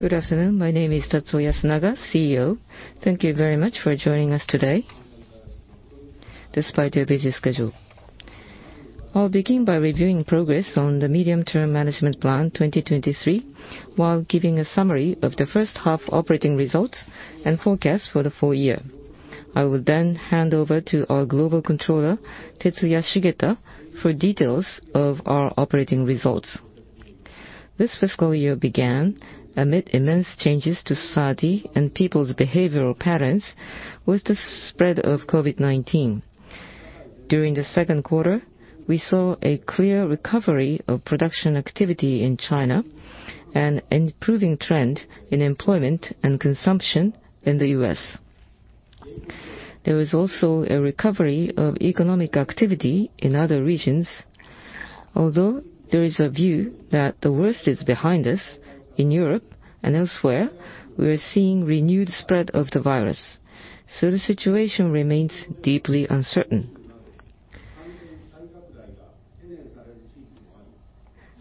Good afternoon. My name is Tatsuo Yasunaga, CEO. Thank you very much for joining us today despite your busy schedule. I'll begin by reviewing progress on the Medium-term Management Plan 2023 while giving a summary of the first half operating results and forecasts for the full year. I will then hand over to our Global Controller, Tetsuya Shigeta, for details of our operating results. This fiscal year began amid immense changes to society and people's behavioral patterns with the spread of COVID-19. During the second quarter, we saw a clear recovery of production activity in China and an improving trend in employment and consumption in the U.S. There was also a recovery of economic activity in other regions. Although there is a view that the worst is behind us, in Europe and elsewhere, we are seeing renewed spread of the virus, so the situation remains deeply uncertain.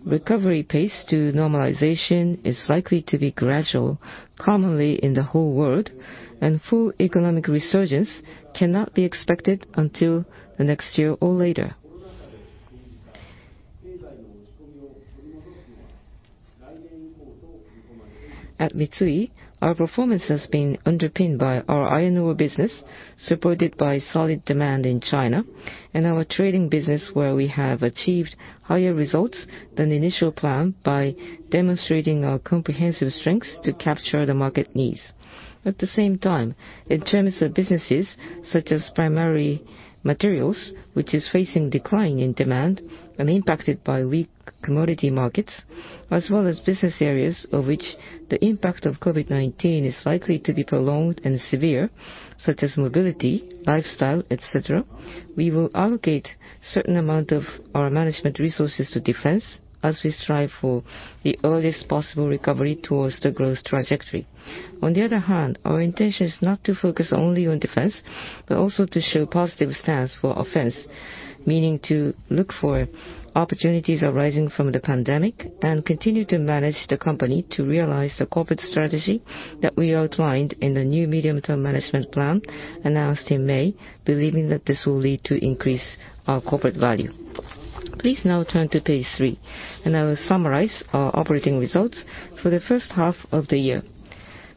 Recovery pace to normalization is likely to be gradual, commonly in the whole world, and full economic resurgence cannot be expected until next year or later. At Mitsui, our performance has been underpinned by our iron ore business, supported by solid demand in China, and our trading business, where we have achieved higher results than the initial plan by demonstrating our comprehensive strengths to capture the market needs. At the same time, in terms of businesses such as primary materials, which is facing decline in demand and impacted by weak commodity markets, as well as business areas of which the impact of COVID-19 is likely to be prolonged and severe, such as mobility, Lifestyle, et cetera, we will allocate certain amount of our management resources to defense as we strive for the earliest possible recovery towards the growth trajectory. On the other hand, our intention is not to focus only on defense, but also to show positive stance for offense, meaning to look for opportunities arising from the pandemic and continue to manage the company to realize the corporate strategy that we outlined in the new Medium-term Management Plan announced in May, believing that this will lead to increase our corporate value. Please now turn to page three, and I will summarize our operating results for the first half of the year.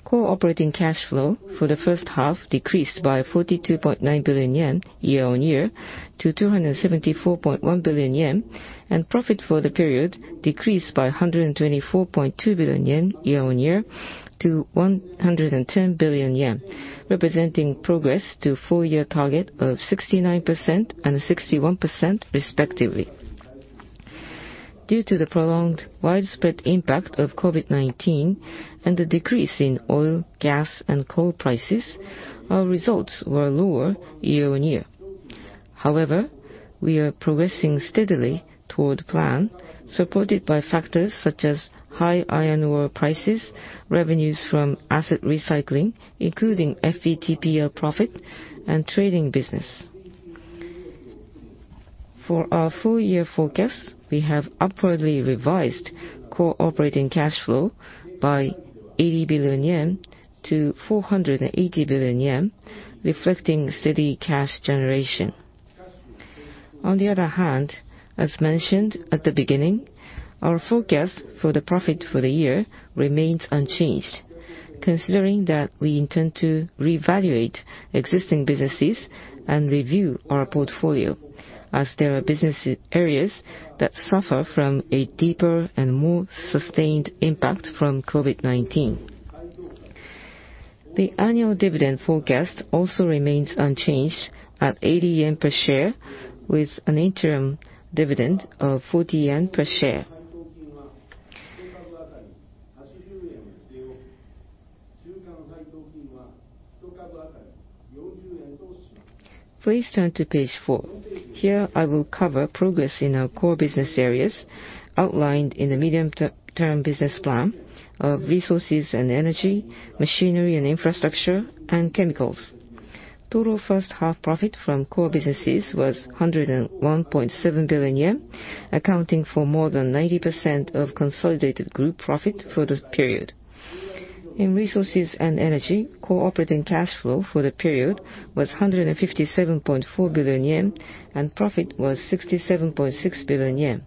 core operating cash flow for the first half decreased by 42.9 billion yen year on year to 274.1 billion yen, and profit for the period decreased by 124.2 billion yen year on year to 110 billion yen, representing progress to full year target of 69% and 61%, respectively. Due to the prolonged widespread impact of COVID-19 and the decrease in oil, gas, and coal prices, our results were lower year on year. We are progressing steadily toward plan, supported by factors such as high iron ore prices, revenues from asset recycling, including FVTPL of profit, and trading business. For our full-year forecast, we have upwardly revised core operating cash flow by 80 billion yen to 480 billion yen, reflecting steady cash generation. As mentioned at the beginning, our forecast for the profit for the year remains unchanged, considering that we intend to reevaluate existing businesses and review our portfolio as there are business areas that suffer from a deeper and more sustained impact from COVID-19. The annual dividend forecast also remains unchanged at 80 yen per share with an interim dividend of 40 yen per share. Please turn to page four. Here, I will cover progress in our core business areas outlined in the medium-term business plan of Resources and Energy, Machinery & Infrastructure, and Chemicals. Total first half profit from core businesses was 101.7 billion yen, accounting for more than 90% of consolidated group profit for the period. In Resources and Energy, core operating cash flow for the period was 157.4 billion yen, and profit was 67.6 billion yen.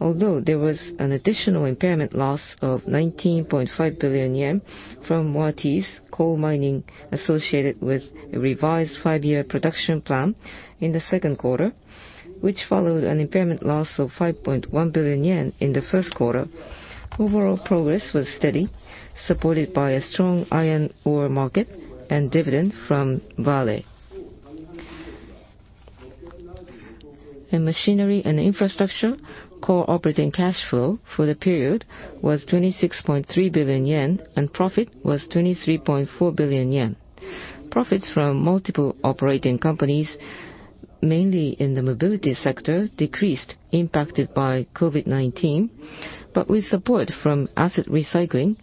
Although there was an additional impairment loss of 19.5 billion yen from Mitsui Coal Holdings associated with a revised 5-year production plan in the second quarter, which followed an impairment loss of 5.1 billion yen in the first quarter, overall progress was steady, supported by a strong iron ore market and dividend from Vale. In Machinery & Infrastructure, core operating cash flow for the period was 26.3 billion yen, and profit was 23.4 billion yen. Profits from multiple operating companies, mainly in the mobility sector, decreased impacted by COVID-19, but with support from asset recycling,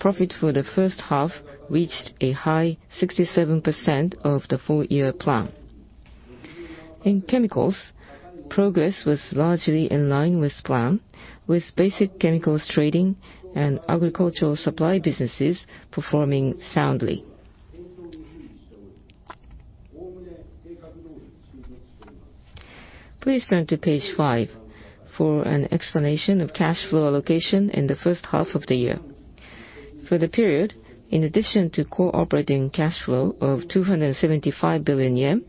profit for the first half reached a high 67% of the full year plan. In Chemicals, progress was largely in line with plan, with basic Chemicals trading and agricultural supply businesses performing soundly. Please turn to page 5 for an explanation of cash flow allocation in the first half of the year. For the period, in addition to core operating cash flow of 275 billion yen,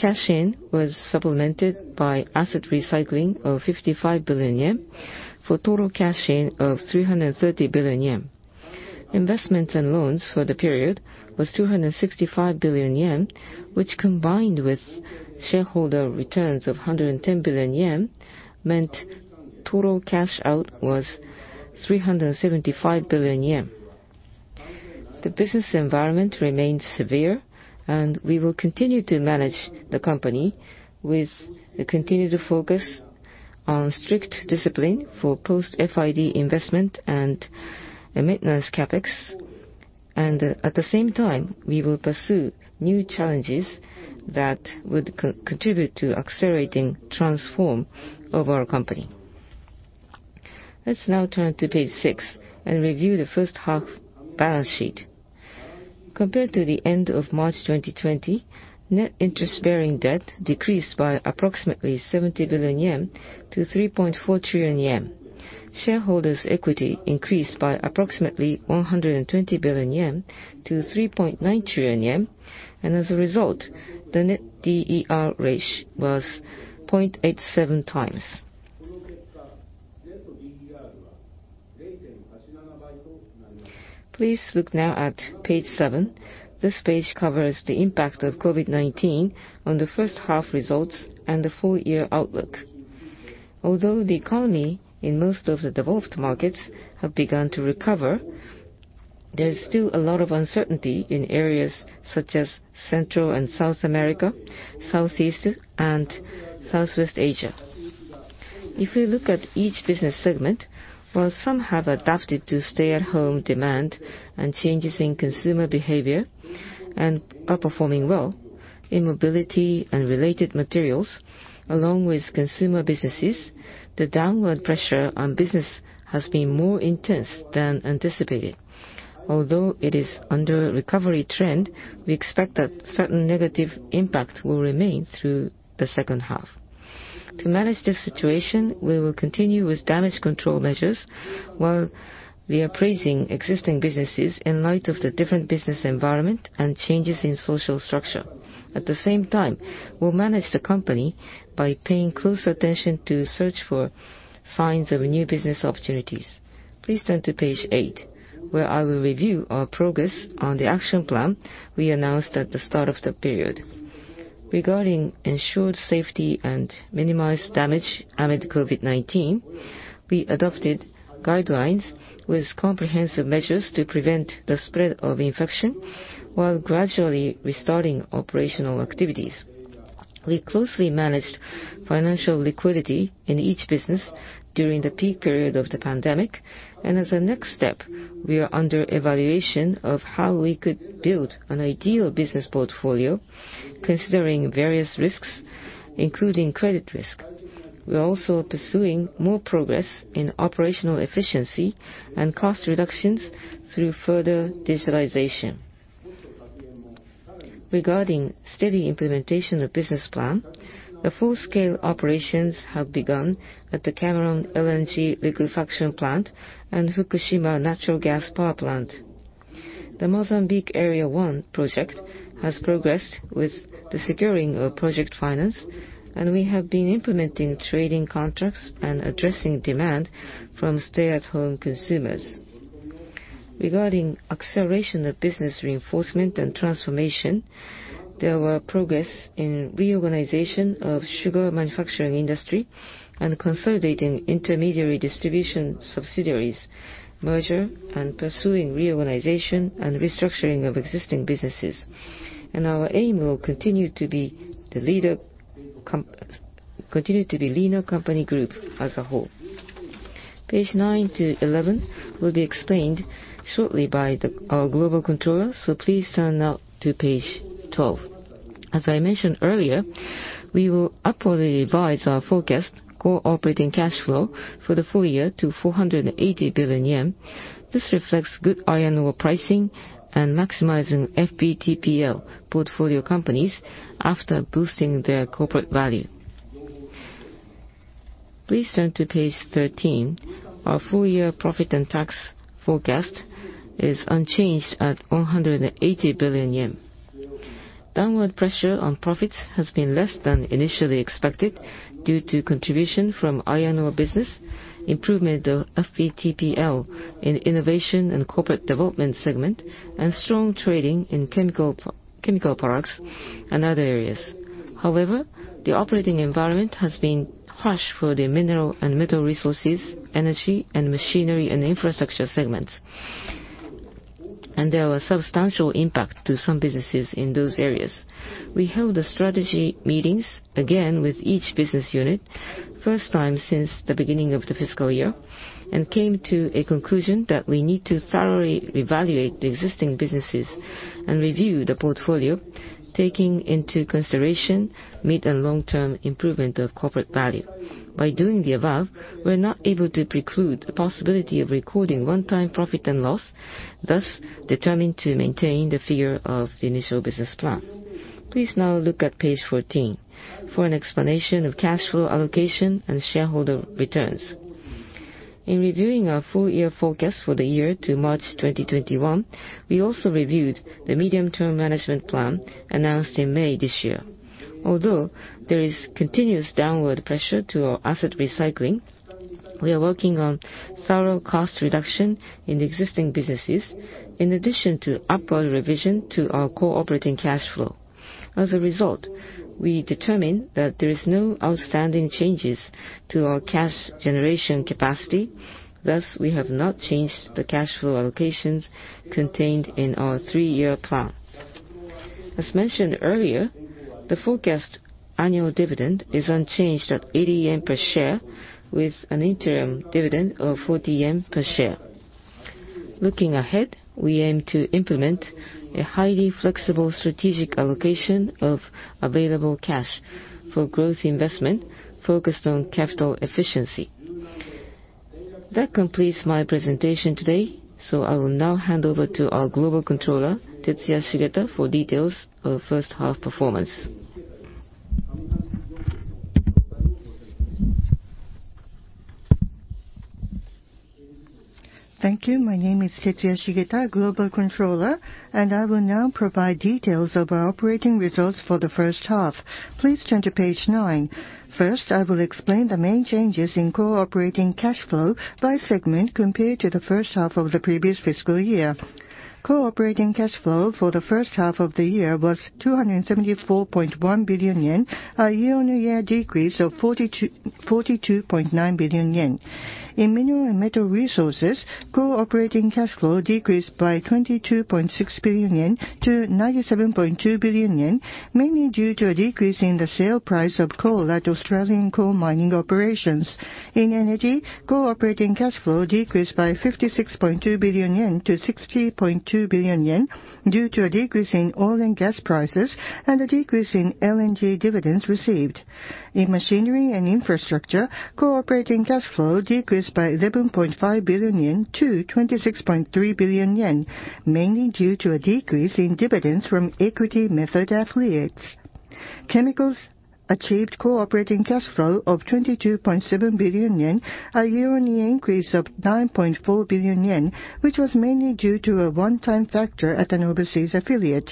cash-in was supplemented by asset recycling of 55 billion yen, for total cash-in of 330 billion yen. Investments and loans for the period was 265 billion yen, which combined with shareholder returns of 110 billion yen, meant total cash-out was 375 billion yen. The business environment remains severe, and we will continue to manage the company with a continued focus on strict discipline for post-FID investment and maintenance CapEx. At the same time, we will pursue new challenges that would contribute to accelerating transform of our company. Let's now turn to page 6 and review the first half balance sheet. Compared to the end of March 2020, net interest-bearing debt decreased by approximately 70 billion yen to 3.4 trillion yen. Shareholders' equity increased by approximately 120 billion yen to 3.9 trillion yen, and as a result, the net DER ratio was 0.87x. Please look now at page seven. This page covers the impact of COVID-19 on the first half results and the full-year outlook. Although the economy in most of the developed markets have begun to recover, there's still a lot of uncertainty in areas such as Central and South America, Southeast and Southwest Asia. If we look at each business segment, while some have adapted to stay-at-home demand and changes in consumer behavior, and are performing well in mobility and related materials, along with consumer businesses, the downward pressure on business has been more intense than anticipated. Although it is under a recovery trend, we expect that certain negative impact will remain through the second half. To manage the situation, we will continue with damage control measures while reappraising existing businesses in light of the different business environment and changes in social structure. At the same time, we'll manage the company by paying close attention to search for signs of new business opportunities. Please turn to page eight, where I will review our progress on the action plan we announced at the start of the period. Regarding ensured safety and minimized damage amid COVID-19, we adopted guidelines with comprehensive measures to prevent the spread of infection, while gradually restarting operational activities. We closely managed financial liquidity in each business during the peak period of the pandemic. As a next step, we are under evaluation of how we could build an ideal business portfolio considering various risks, including credit risk. We're also pursuing more progress in operational efficiency and cost reductions through further digitalization. Regarding steady implementation of business plan, the full-scale operations have begun at the Cameron LNG liquefaction plant and Fukushima natural gas power plant. The Mozambique Area 1 project has progressed with the securing of project finance. We have been implementing trading contracts and addressing demand from stay-at-home consumers. Regarding acceleration of business reinforcement and transformation, there were progress in reorganization of sugar manufacturing industry and consolidating intermediary distribution subsidiaries, merger, and pursuing reorganization and restructuring of existing businesses. Our aim will continue to be leaner company group as a whole. Page nine to 11 will be explained shortly by our global controller, so please turn now to page 12. As I mentioned earlier, we will upwardly revise our forecast core operating cash flow for the full year to 480 billion yen. This reflects good iron ore pricing and maximizing FVTPL portfolio companies after boosting their corporate value. Please turn to page 13. Our full-year profit and tax forecast is unchanged at 480 billion yen. Downward pressure on profits has been less than initially expected due to contribution from iron ore business, improvement of FVTPL in Innovation & Corporate Development segment, and strong trading in chemical products and other areas. However, the operating environment has been harsh for the Mineral and Metal Resources, Energy, and Machinery & Infrastructure segments. There were substantial impact to some businesses in those areas. We held the strategy meetings again with each business unit, first time since the beginning of the fiscal year, and came to a conclusion that we need to thoroughly evaluate the existing businesses and review the portfolio, taking into consideration mid- and long-term improvement of corporate value. By doing the above, we're not able to preclude the possibility of recording one-time profit and loss, thus determined to maintain the figure of the initial business plan. Please now look at page 14 for an explanation of cash flow allocation and shareholder returns. In reviewing our full year forecast for the year to March 2021, we also reviewed the Medium-term Management Plan announced in May this year. There is continuous downward pressure to our asset recycling, we are working on thorough cost reduction in existing businesses, in addition to upward revision to our core operating cash flow. We determine that there is no outstanding changes to our cash generation capacity, thus, we have not changed the cash flow allocations contained in our three-year plan. The forecast annual dividend is unchanged at 80 yen per share with an interim dividend of 40 yen per share. Looking ahead, we aim to implement a highly flexible strategic allocation of available cash for growth investment focused on capital efficiency. That completes my presentation today. I will now hand over to our Global Controller, Tetsuya Shigeta, for details of first half performance. Thank you. My name is Tetsuya Shigeta, Global Controller, and I will now provide details of our operating results for the first half. Please turn to page nine. First, I will explain the main changes in core operating cash flow by segment compared to the first half of the previous fiscal year. Core operating cash flow for the first half of the year was 274.1 billion yen, a year-on-year decrease of 42.9 billion yen. In Mineral and Metal Resources, core operating cash flow decreased by 22.6 billion yen to 97.2 billion yen, mainly due to a decrease in the sale price of coal at Australian coal mining operations. In Energy, core operating cash flow decreased by 56.2 billion yen to 60.2 billion yen due to a decrease in oil and gas prices and a decrease in LNG dividends received. In Machinery & Infrastructure, core operating cash flow decreased by 11.5 billion yen to 26.3 billion yen, mainly due to a decrease in dividends from equity method affiliates. Chemicals achieved core operating cash flow of 22.7 billion yen, a year-on-year increase of 9.4 billion yen, which was mainly due to a one-time factor at an overseas affiliate.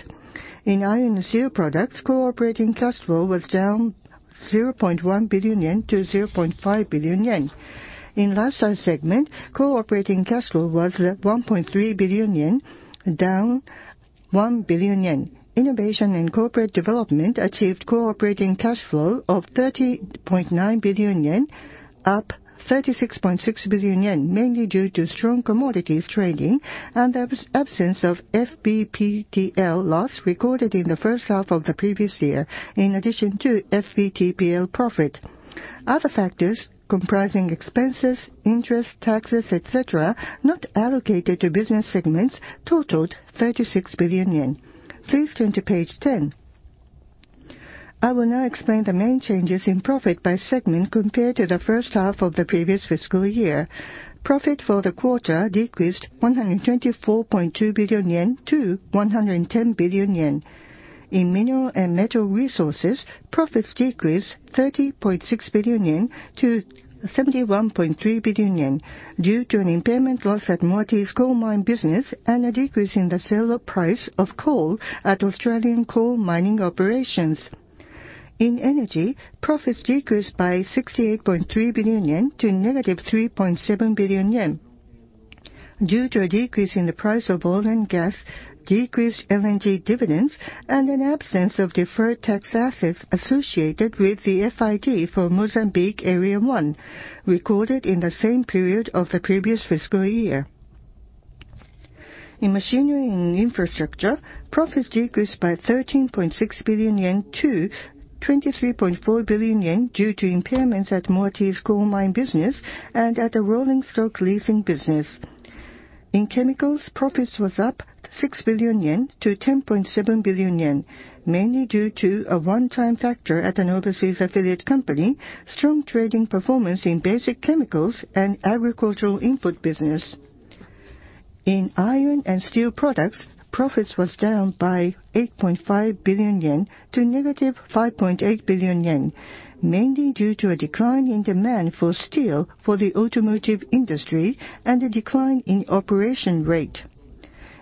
In Iron & Steel Products, core operating cash flow was down 0.1 billion yen to 0.5 billion yen. In Lifestyle segment, core operating cash flow was 1.3 billion yen, down 1 billion yen. Innovation & Corporate Development achieved core operating cash flow of 30.9 billion yen, up 36.6 billion yen, mainly due to strong commodities trading and the absence of FVTPL loss recorded in the first half of the previous year, in addition to FVTPL profit. Other factors comprising expenses, interest, taxes, et cetera, not allocated to business segments totaled 36 billion yen. Please turn to page 10. I will now explain the main changes in profit by segment compared to the first half of the previous fiscal year. Profit for the quarter decreased 124.2 billion yen to 110 billion yen. In Mineral and Metal Resources, profits decreased 30.6 billion yen to 71.3 billion yen due to an impairment loss at Mitsui's coal mine business and a decrease in the sale price of coal at Australian coal mining operations. In Energy, profits decreased by 68.3 billion yen to negative 3.7 billion yen due to a decrease in the price of oil and gas, decreased LNG dividends, and an absence of deferred tax assets associated with the FID for Mozambique Area 1, recorded in the same period of the previous fiscal year. In Machinery & Infrastructure, profits was decreased by 13.6 billion yen to 23.4 billion yen due to impairments at Mitsui's Coal Mine business and at the rolling stock leasing business. In Chemicals, profits was up 6 billion yen to 10.7 billion yen, mainly due to a one-time factor at an overseas affiliate company, strong trading performance in basic chemicals, and agricultural input business. In Iron & Steel Products, profits was down by 8.5 billion yen to negative 5.5 billion yen, mainly due to a decline in demand for steel for the automotive industry and a decline in operation rate.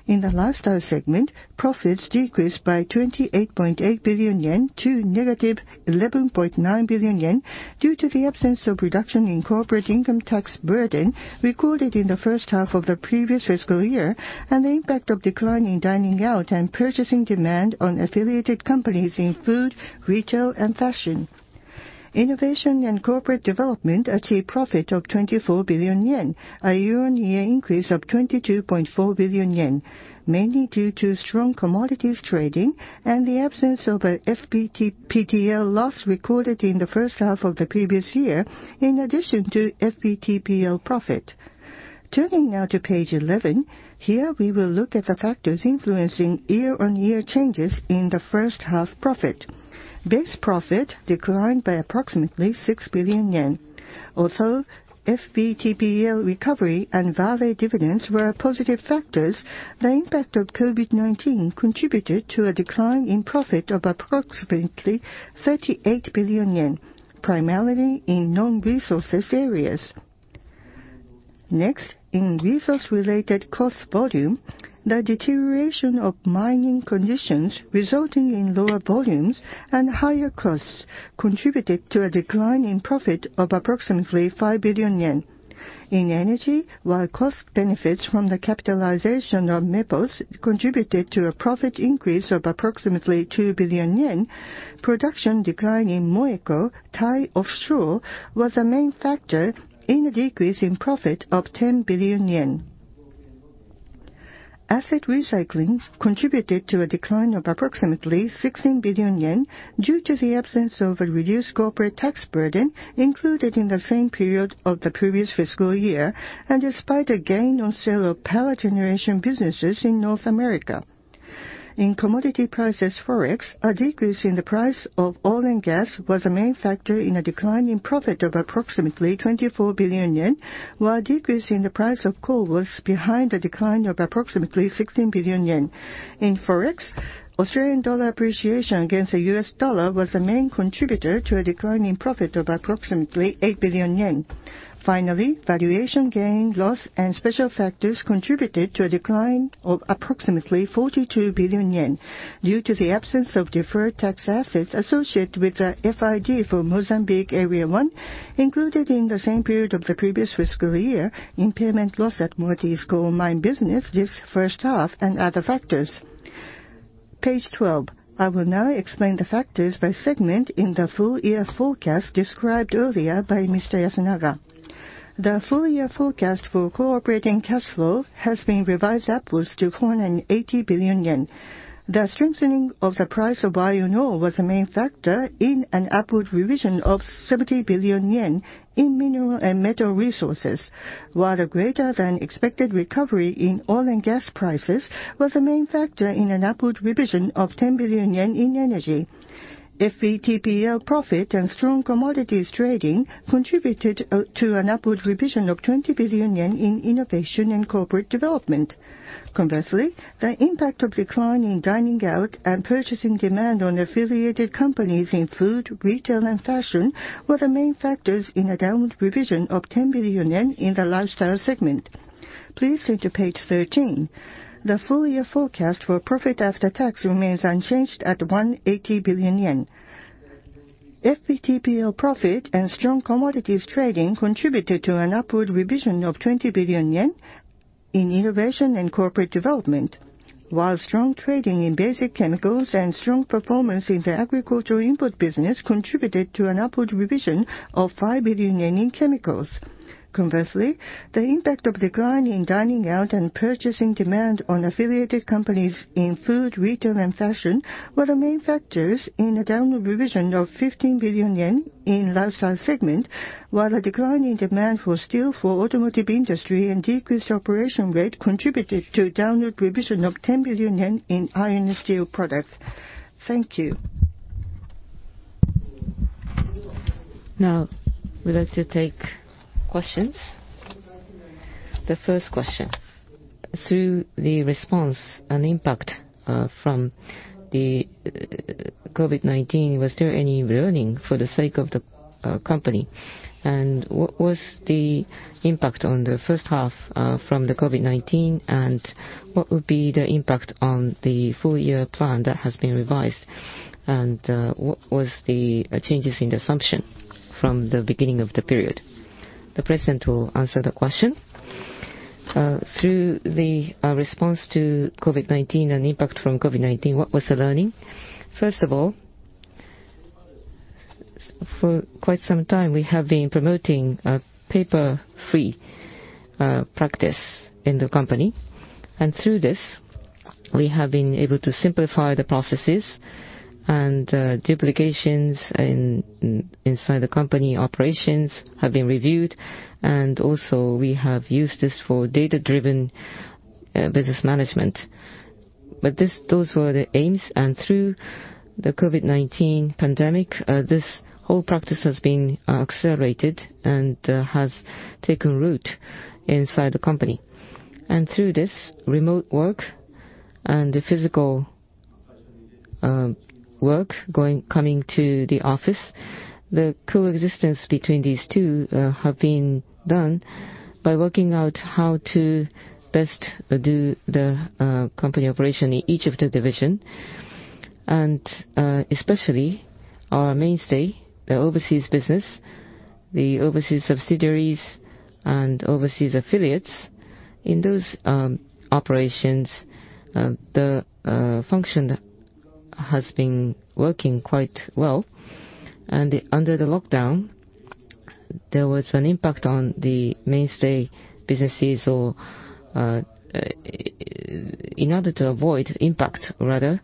In the Lifestyle segment, profits decreased by 28.8 billion yen to negative 11.9 billion yen due to the absence of reduction in corporate income tax burden recorded in the first half of the previous fiscal year, and the impact of decline in dining out and purchasing demand on affiliated companies in food, retail, and fashion. Innovation & Corporate Development achieved profit of 24 billion yen, a year-on-year increase of 22.4 billion yen, mainly due to strong commodities trading and the absence of a FVTPL loss recorded in the first half of the previous year, in addition to FVTPL profit. Turning now to page 11. Here we will look at the factors influencing year-on-year changes in the first half profit. Base profit declined by approximately 6 billion yen. FVTPL recovery and Vale dividends were positive factors. The impact of COVID-19 contributed to a decline in profit of approximately 38 billion yen, primarily in non-resources areas. Next, in resource-related cost volume, the deterioration of mining conditions resulting in lower volumes and higher costs contributed to a decline in profit of approximately 5 billion yen. In Energy, while cost benefits from the capitalization of Maple's contributed to a profit increase of approximately 2 billion yen, production decline in MOECO, Thai Offshore, was a main factor in a decrease in profit of 10 billion yen. Asset recycling contributed to a decline of approximately 16 billion yen due to the absence of a reduced corporate tax burden included in the same period of the previous fiscal year. Despite a gain on sale of power generation businesses in North America. In commodity prices Forex, a decrease in the price of oil and gas was a main factor in a decline in profit of approximately 24 billion yen, while a decrease in the price of coal was behind the decline of approximately 16 billion yen. In Forex, Australian dollar appreciation against the US dollar was a main contributor to a decline in profit of approximately 8 billion yen. Finally, valuation gain, loss, and special factors contributed to a decline of approximately 42 billion yen due to the absence of deferred tax assets associated with the FID for Mozambique Area 1 included in the same period of the previous fiscal year, impairment loss at Moatize coal mine business this first half, and other factors. Page 12. I will now explain the factors by segment in the full-year forecast described earlier by Mr. Yasunaga. The full-year forecast for core operating cash flow has been revised upwards to 180 billion yen. The strengthening of the price of iron ore was a main factor in an upward revision of 70 billion yen in Mineral and Metal Resources. A greater-than-expected recovery in oil and gas prices was a main factor in an upward revision of 10 billion yen in Energy. FVTPL profit and strong commodities trading contributed to an upward revision of 20 billion yen in Innovation & Corporate Development. Conversely, the impact of decline in dining out and purchasing demand on affiliated companies in food, retail, and fashion were the main factors in a downward revision of 10 billion yen in the Lifestyle segment. Please turn to page 13. The full-year forecast for profit after tax remains unchanged at 180 billion yen. FVTPL profit and strong commodities trading contributed to an upward revision of 20 billion yen in Innovation & Corporate Development, while strong trading in basic Chemicals and strong performance in the agricultural input business contributed to an upward revision of 5 billion yen in Chemicals. Conversely, the impact of decline in dining out and purchasing demand on affiliated companies in food, retail, and fashion were the main factors in a downward revision of 15 billion yen in Lifestyle segment, while a decline in demand for steel for automotive industry and decreased operation rate contributed to a downward revision of 10 billion yen in Iron & Steel Products. Thank you. Now, we'd like to take questions. The first question: Through the response and impact from the COVID-19, was there any learning for the sake of the company? What was the impact on the first half from the COVID-19, and what would be the impact on the full-year plan that has been revised? What was the changes in the assumption from the beginning of the period? The President will answer the question. Through the response to COVID-19 and impact from COVID-19, what was the learning? First of all, for quite some time, we have been promoting a paper-free practice in the company. Through this, we have been able to simplify the processes, and duplications inside the company operations have been reviewed. Also, we have used this for data-driven business management. Those were the aims, and through the COVID-19 pandemic, this whole practice has been accelerated and has taken root inside the company. Through this remote work and the physical work, coming to the office, the coexistence between these two have been done by working out how to best do the company operation in each of the division. Especially our mainstay, the overseas business, the overseas subsidiaries and overseas affiliates. In those operations, the function has been working quite well. Under the lockdown, there was an impact on the mainstay businesses. In order to avoid impact, rather,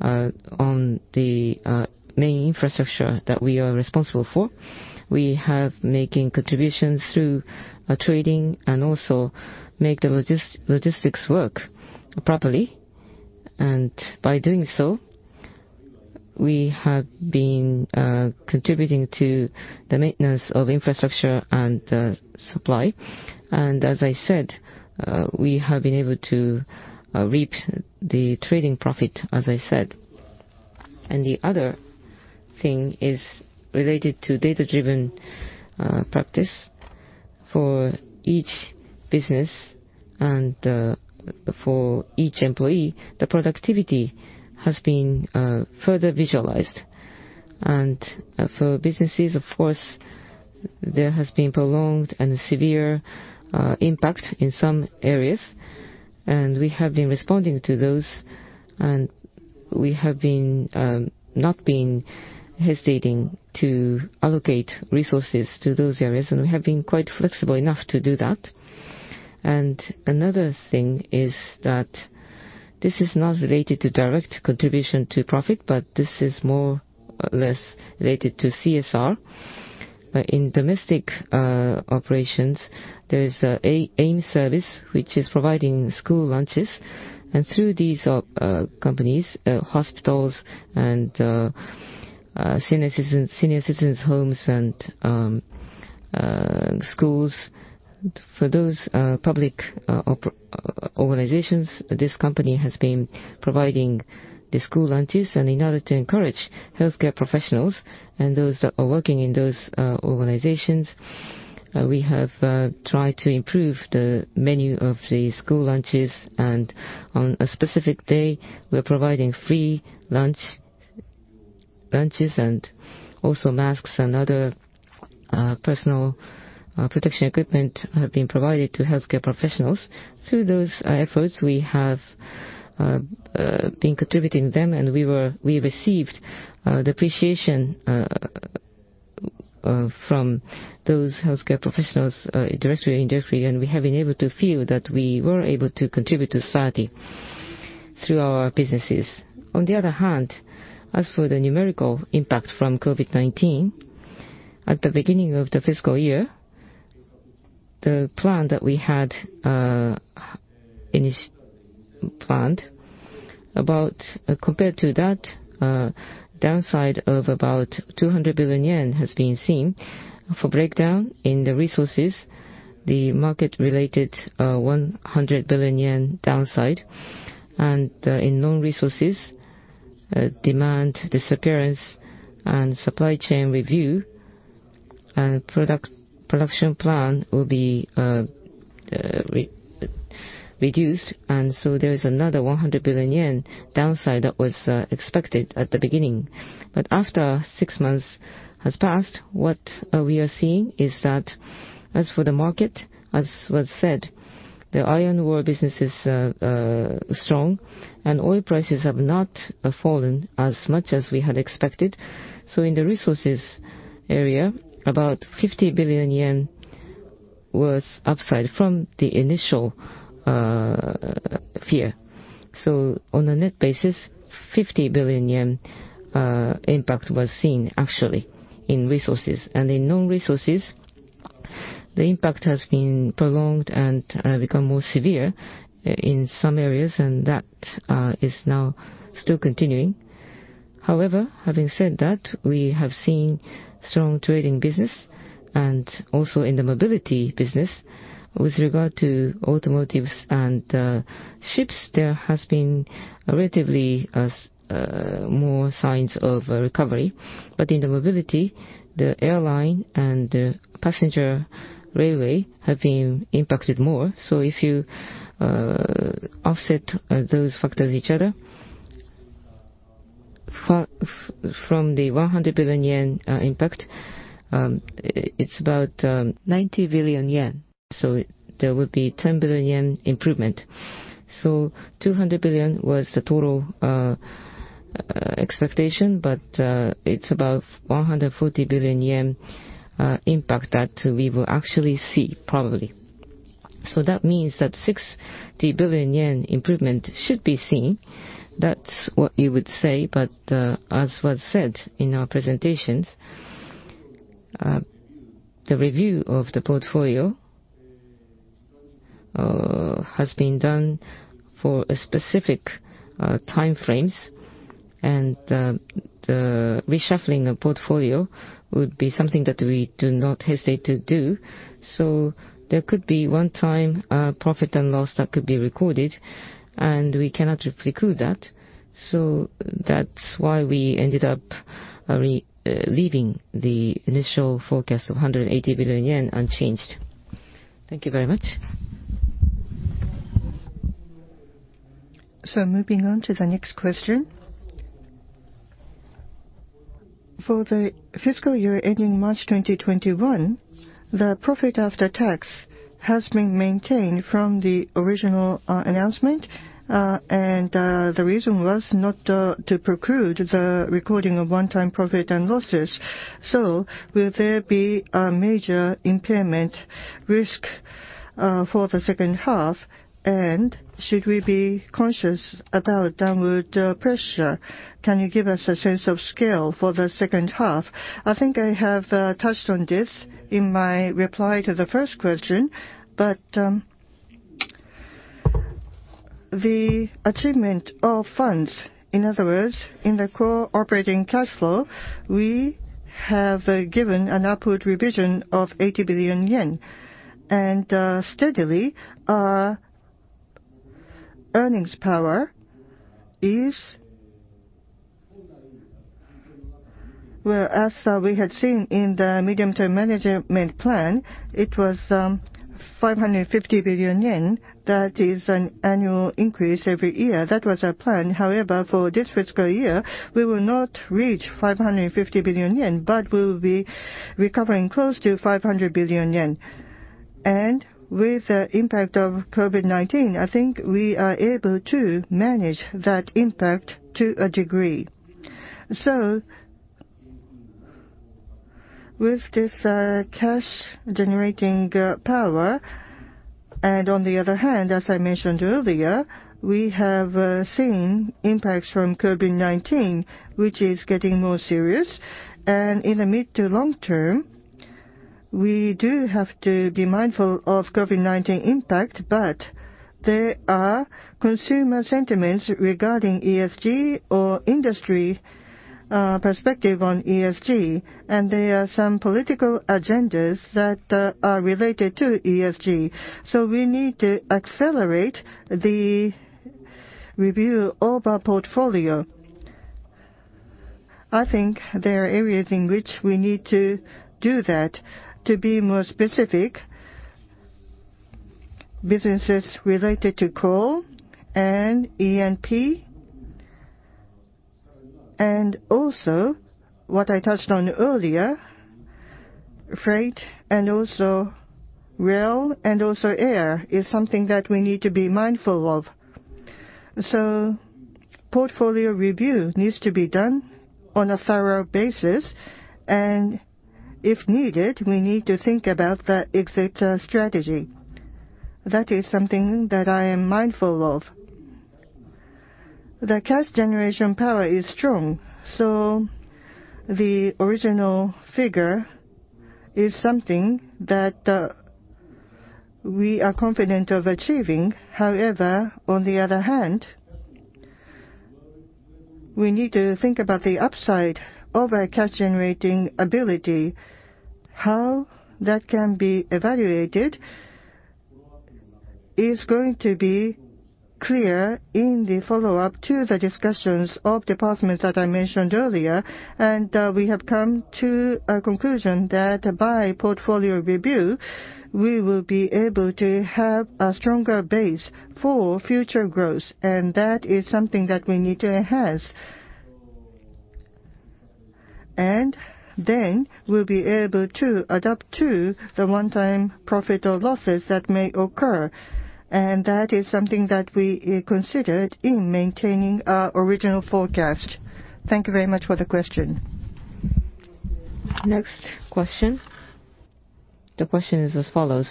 on the main infrastructure that we are responsible for, we have making contributions through trading and also make the logistics work properly. By doing so, we have been contributing to the maintenance of infrastructure and supply. As I said, we have been able to reap the trading profit, as I said. The other thing is related to data-driven practice for each business and for each employee, the productivity has been further visualized. For businesses, of course, there has been prolonged and severe impact in some areas, and we have been responding to those, and we have not been hesitating to allocate resources to those areas, and we have been quite flexible enough to do that. Another thing is that this is not related to direct contribution to profit, but this is more or less related to CSR. In domestic operations, there is an AIM Services, which is providing school lunches. Through these companies, hospitals, and senior citizens' homes, and schools, for those public organizations, this company has been providing the school lunches. In order to encourage healthcare professionals and those that are working in those organizations, we have tried to improve the menu of the school lunches. On a specific day, we're providing free lunches, and also masks and other personal protection equipment have been provided to healthcare professionals. Through those efforts, we have been contributing them, we received the appreciation from those healthcare professionals directly. We have been able to feel that we were able to contribute to society through our businesses. On the other hand, as for the numerical impact from COVID-19, at the beginning of the fiscal year, the plan that we had initially planned, compared to that, a downside of about 200 billion yen has been seen. For breakdown in the resources, the market related, 100 billion yen downside, and in non-resources, demand disappearance and supply chain review, and production plan will be reduced, and so there is another 100 billion yen downside that was expected at the beginning. After six months have passed, what we are seeing is that as for the market, as was said, the iron ore business is strong, and oil prices have not fallen as much as we had expected. In the resources area, about 50 billion yen was upside from the initial fear. On a net basis, 50 billion yen impact was seen actually in resources. In non-resources, the impact has been prolonged and become more severe in some areas, and that is now still continuing. Having said that, we have seen strong trading business and also in the mobility business. With regard to automotives and ships, there has been relatively more signs of recovery. In mobility, the airline and passenger railway have been impacted more. If you offset those factors each other, from the 100 billion yen impact, it's about 90 billion yen, so there will be 10 billion yen improvement. 200 billion was the total expectation, it's about 140 billion yen impact that we will actually see probably. That means that 60 billion yen improvement should be seen. That's what you would say, as was said in our presentations, the review of the portfolio has been done for specific time frames, and the reshuffling of portfolio would be something that we do not hesitate to do. There could be one-time profit and loss that could be recorded, and we cannot preclude that. That's why we ended up leaving the initial forecast of 180 billion yen unchanged. Thank you very much. Moving on to the next question. For the fiscal year ending March 2021, the profit after tax has been maintained from the original announcement. The reason was not to preclude the recording of one-time profit and losses. Will there be a major impairment risk for the second half? Should we be conscious about downward pressure? Can you give us a sense of scale for the second half? I think I have touched on this in my reply to the first question. The achievement of funds. In other words, in the core operating cash flow, we have given an upward revision of 80 billion yen. Steadily, our earnings power is, well, as we had seen in the Medium-term Management Plan, it was 550 billion yen. That is an annual increase every year. That was our plan. For this fiscal year, we will not reach 550 billion yen, but we will be recovering close to 500 billion yen. With the impact of COVID-19, I think we are able to manage that impact to a degree. With this cash-generating power, on the other hand, as I mentioned earlier, we have seen impacts from COVID-19, which is getting more serious. In the mid to long term, we do have to be mindful of COVID-19 impact, but there are consumer sentiments regarding ESG or industry perspective on ESG, and there are some political agendas that are related to ESG. We need to accelerate the review of our portfolio. I think there are areas in which we need to do that. To be more specific, businesses related to coal and E&P, and also what I touched on earlier, freight, and also rail, and also air, is something that we need to be mindful of. Portfolio review needs to be done on a thorough basis, and if needed, we need to think about the exit strategy. That is something that I am mindful of. The cash generation power is strong, so the original figure is something that we are confident of achieving. However, on the other hand, we need to think about the upside of our cash-generating ability. How that can be evaluated is going to be clear in the follow-up to the discussions of departments that I mentioned earlier. We have come to a conclusion that by portfolio review, we will be able to have a stronger base for future growth, and that is something that we need to enhance. We'll be able to adapt to the one-time profit or losses that may occur. That is something that we considered in maintaining our original forecast. Thank you very much for the question. Next question. The question is as follows: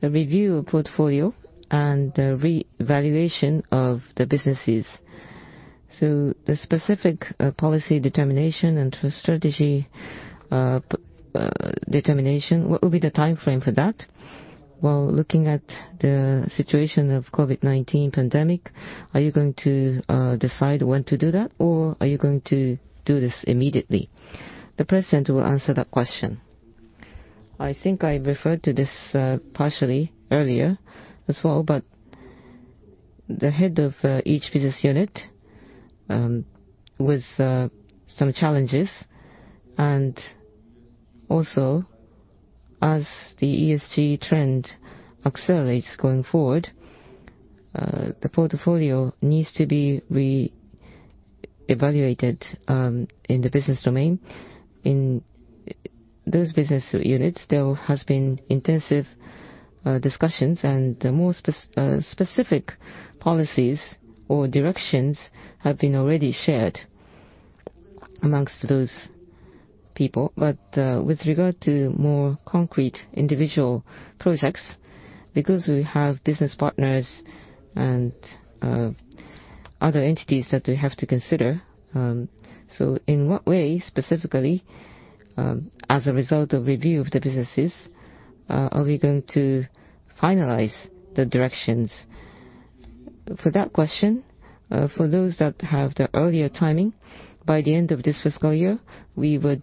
The review portfolio and the revaluation of the businesses. The specific policy determination and strategy determination, what will be the timeframe for that? While looking at the situation of COVID-19 pandemic, are you going to decide when to do that, or are you going to do this immediately? The president will answer that question. I think I referred to this partially earlier as well, the head of each business unit, with some challenges, and also as the ESG trend accelerates going forward, the portfolio needs to be reevaluated in the business domain. In those business units, there has been intensive discussions, more specific policies or directions have been already shared amongst those people. With regard to more concrete individual projects, because we have business partners and other entities that we have to consider. In what way, specifically, as a result of review of the businesses, are we going to finalize the directions? For that question, for those that have the earlier timing, by the end of this fiscal year, we would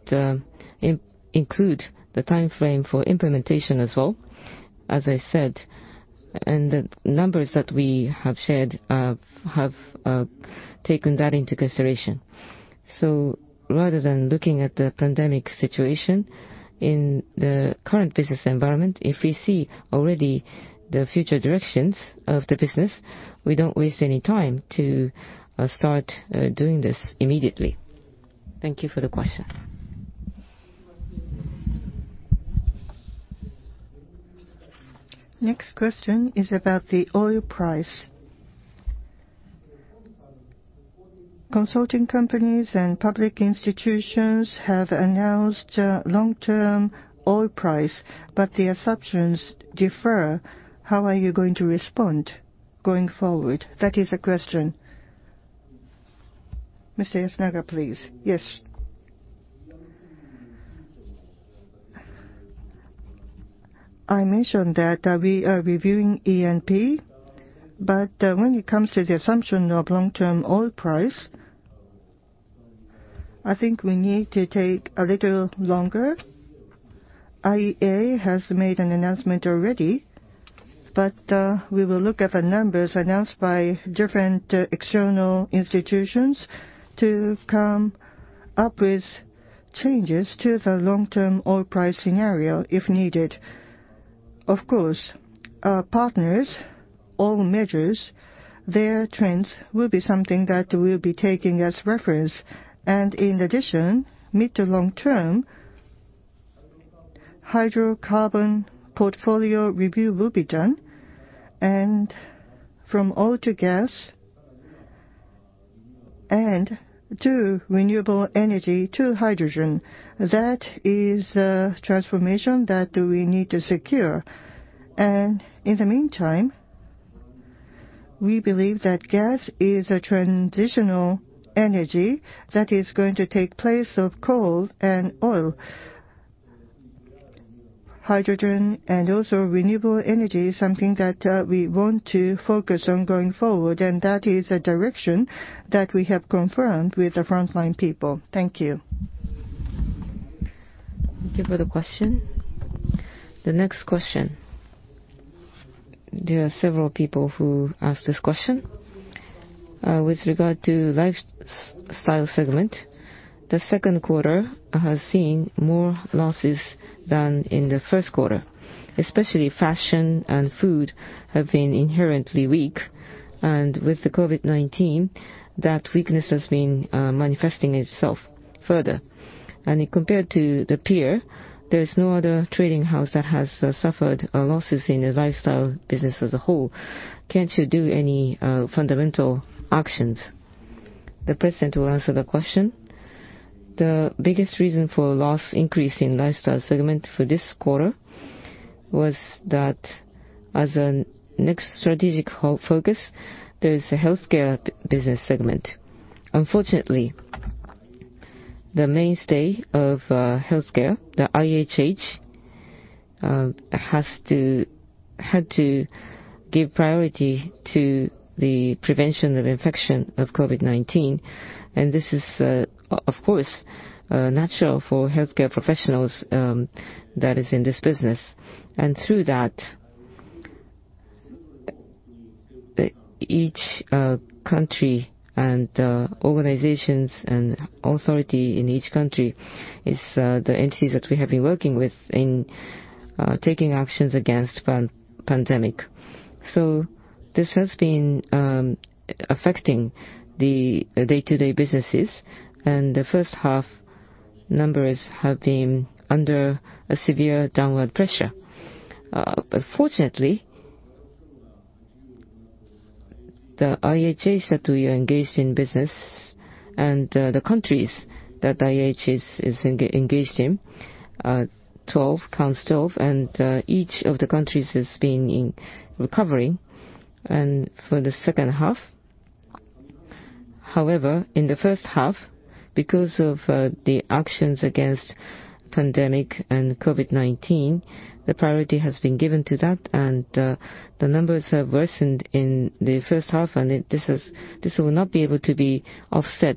include the timeframe for implementation as well. As I said, the numbers that we have shared have taken that into consideration. Rather than looking at the pandemic situation in the current business environment, if we see already the future directions of the business, we don't waste any time to start doing this immediately. Thank you for the question. Next question is about the oil price. Consulting companies and public institutions have announced long-term oil price, but the assumptions differ. How are you going to respond going forward? That is the question. Mr. Yasunaga, please. Yes. I mentioned that we are reviewing E&P, but when it comes to the assumption of long-term oil price, I think we need to take a little longer. IEA has made an announcement already, but we will look at the numbers announced by different external institutions to come up with changes to the long-term oil price scenario if needed. Of course, our partners, oil majors, their trends will be something that we'll be taking as reference. In addition, mid to long term, hydrocarbon portfolio review will be done. From oil to gas, and to renewable energy to hydrogen, that is the transformation that we need to secure. In the meantime, we believe that gas is a transitional energy that is going to take place of coal and oil. Hydrogen and also renewable energy is something that we want to focus on going forward. That is a direction that we have confirmed with the frontline people. Thank you. Thank you for the question. The next question. There are several people who asked this question. With regard to Lifestyle segment, the second quarter has seen more losses than in the first quarter. Especially fashion and food have been inherently weak. With the COVID-19, that weakness has been manifesting itself further. Compared to the peer, there is no other trading house that has suffered losses in the Lifestyle business as a whole. Can't you do any fundamental actions? The President will answer the question. The biggest reason for loss increase in Lifestyle segment for this quarter was that as a next strategic focus, there is a healthcare business segment. Unfortunately, the mainstay of healthcare, the IHH, had to give priority to the prevention of infection of COVID-19. This is, of course, natural for healthcare professionals that is in this business. Through that, each country and organizations and authority in each country is the entities that we have been working with in taking actions against pandemic. This has been affecting the day-to-day businesses, and the first half numbers have been under a severe downward pressure. Fortunately, the IHH that we are engaged in business and the countries that IHH is engaged in, 12, counts 12, and each of the countries has been in recovery. For the second half, however, in the first half, because of the actions against pandemic and COVID-19, the priority has been given to that and the numbers have worsened in the first half, and this will not be able to be offset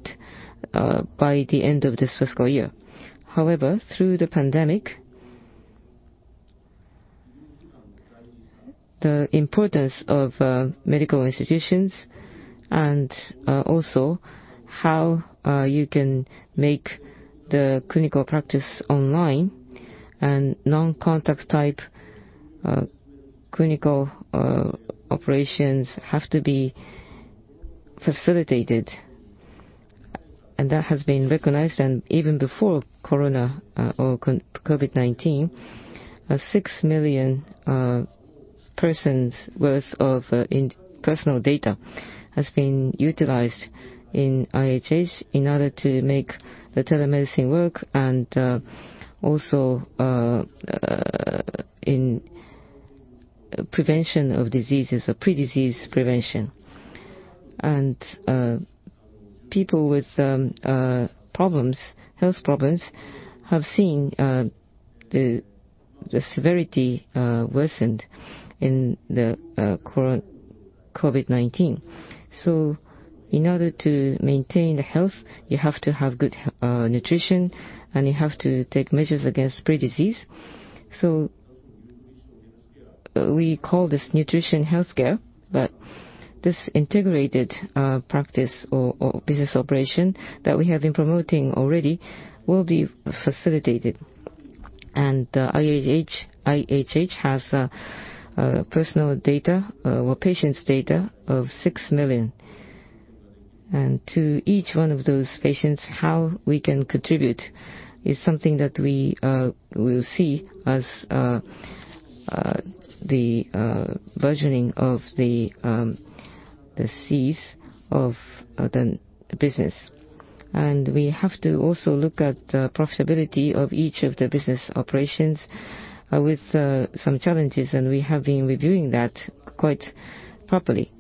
by the end of this fiscal year. However, through the pandemic, the importance of medical institutions and also how you can make the clinical practice online and non-contact type clinical operations have to be facilitated. That has been recognized. Even before corona or COVID-19, 6 million persons worth of personal data has been utilized in IHH in order to make the telemedicine work and also in prevention of diseases or pre-disease prevention. People with health problems have seen the severity worsened in the COVID-19. In order to maintain the health, you have to have good nutrition, and you have to take measures against pre-disease. We call this nutrition healthcare, but this integrated practice or business operation that we have been promoting already will be facilitated. IHH has personal data or patients' data of 6 million. To each one of those patients, how we can contribute is something that we will see as the burgeoning of the seeds of the business. We have to also look at the profitability of each of the business operations with some challenges, and we have been reviewing that quite properly.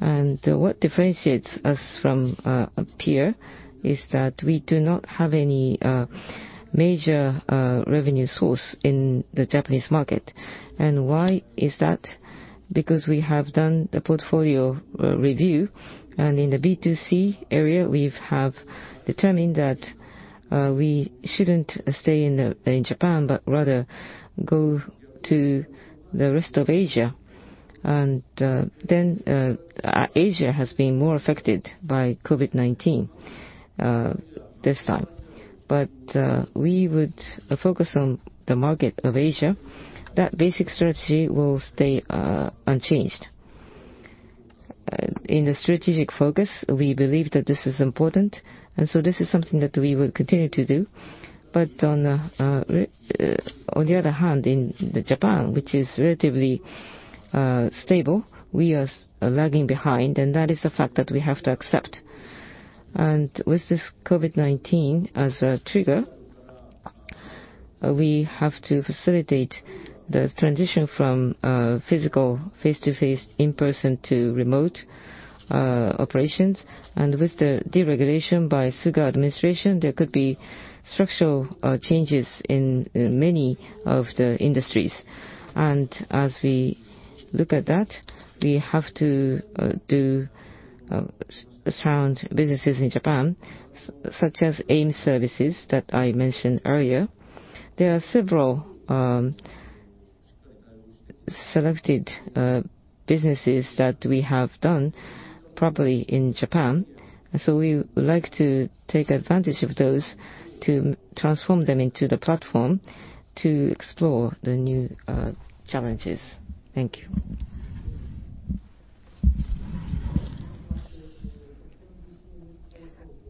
What differentiates us from a peer is that we do not have any major revenue source in the Japanese market. Why is that? Because we have done the portfolio review, and in the B2C area, we have determined that we shouldn't stay in Japan, but rather go to the rest of Asia. Asia has been more affected by COVID-19 this time. We would focus on the market of Asia. That basic strategy will stay unchanged. In the strategic focus, we believe that this is important, and so this is something that we will continue to do. On the other hand, in Japan, which is relatively stable, we are lagging behind, and that is a fact that we have to accept. With this COVID-19 as a trigger, we have to facilitate the transition from physical, face-to-face, in-person to remote operations. With the deregulation by Suga administration, there could be structural changes in many of the industries. As we look at that, we have to do sound businesses in Japan, such as AIM Services that I mentioned earlier. There are several selected businesses that we have done properly in Japan, so we would like to take advantage of those to transform them into the platform to explore the new challenges. Thank you.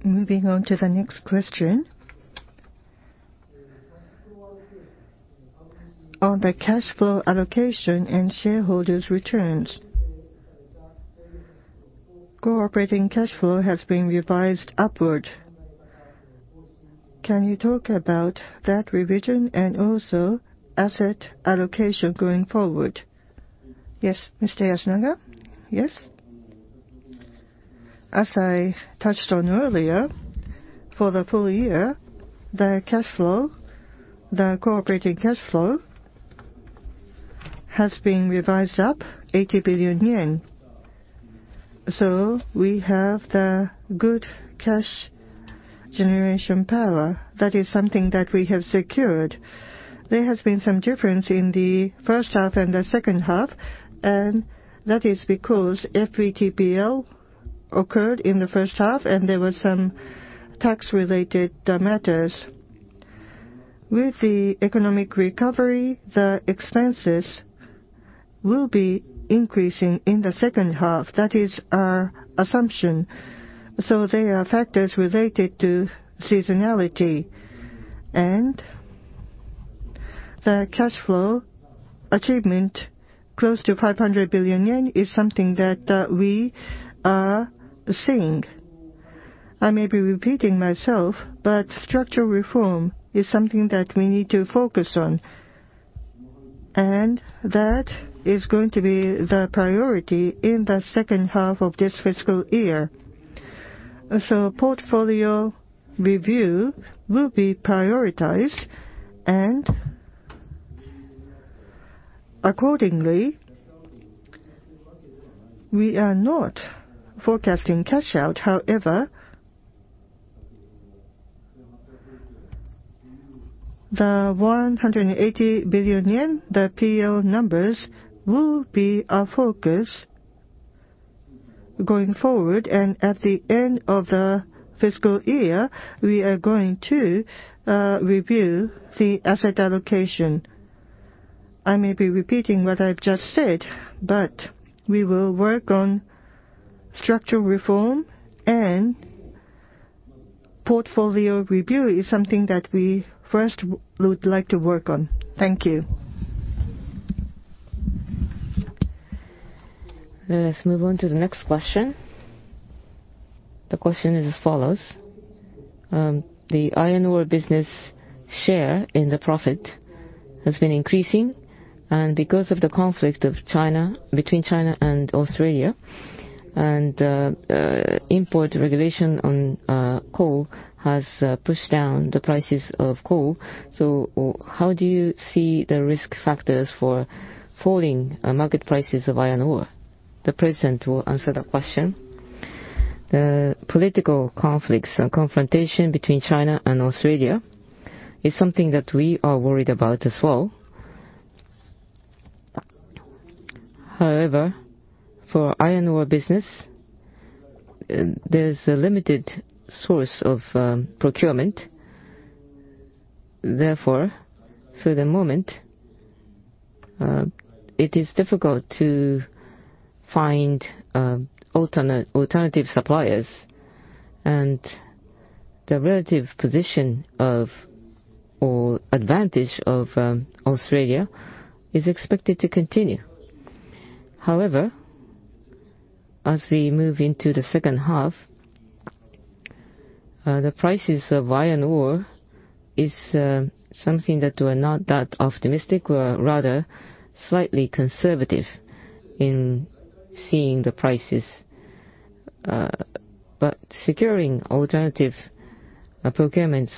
Moving on to the next question. On the cash flow allocation and shareholders returns, core operating cash flow has been revised upward. Can you talk about that revision and also asset allocation going forward? Yes, Mr. Yasunaga? Yes. As I touched on earlier, for the full year, the core operating cash flow has been revised up 80 billion yen. We have the good cash generation power. That is something that we have secured. There has been some difference in the first half and the second half, and that is because FVTPL occurred in the first half, and there were some tax-related matters. With the economic recovery, the expenses will be increasing in the second half. That is our assumption. They are factors related to seasonality. The cash flow achievement close to 500 billion yen is something that we are seeing. I may be repeating myself, but structural reform is something that we need to focus on. That is going to be the priority in the second half of this fiscal year. Portfolio review will be prioritized, and accordingly, we are not forecasting cash out. However, the 180 billion yen, the PL numbers, will be our focus going forward. At the end of the fiscal year, we are going to review the asset allocation. I may be repeating what I've just said, but we will work on structural reform, and portfolio review is something that we first would like to work on. Thank you. Let's move on to the next question. The question is as follows. The iron ore business share in the profit has been increasing, and because of the conflict between China and Australia, and import regulation on coal has pushed down the prices of coal. How do you see the risk factors for falling market prices of iron ore? The president will answer the question. The political conflicts and confrontation between China and Australia is something that we are worried about as well. For iron ore business, there's a limited source of procurement. For the moment, it is difficult to find alternative suppliers, and the relative position or advantage of Australia is expected to continue. As we move into the second half, the prices of iron ore is something that we're not that optimistic, we're rather slightly conservative in seeing the prices. Securing alternative procurement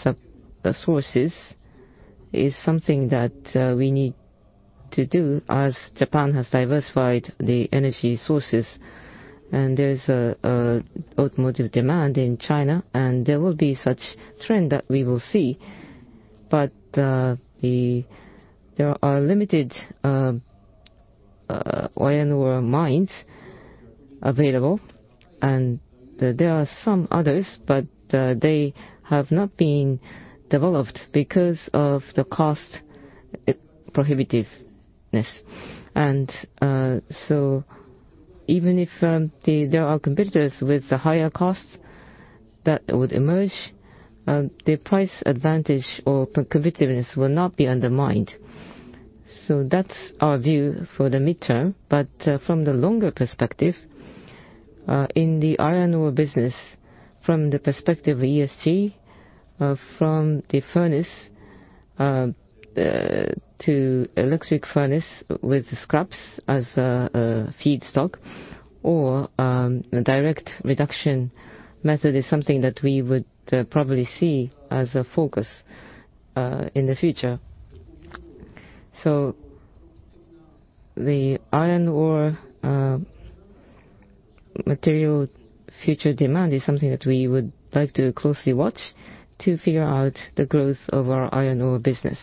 sources is something that we need to do as Japan has diversified the energy sources, and there's automotive demand in China, and there will be such trend that we will see. There are limited iron ore mines available, and there are some others, but they have not been developed because of the cost prohibitiveness. Even if there are competitors with higher costs that would emerge, the price advantage or prohibitiveness will not be undermined. That's our view for the midterm. From the longer perspective, in the iron ore business, from the perspective of ESG, from the furnace to electric furnace with scraps as a feedstock or direct reduction method is something that we would probably see as a focus in the future. The iron ore material future demand is something that we would like to closely watch to figure out the growth of our iron ore business.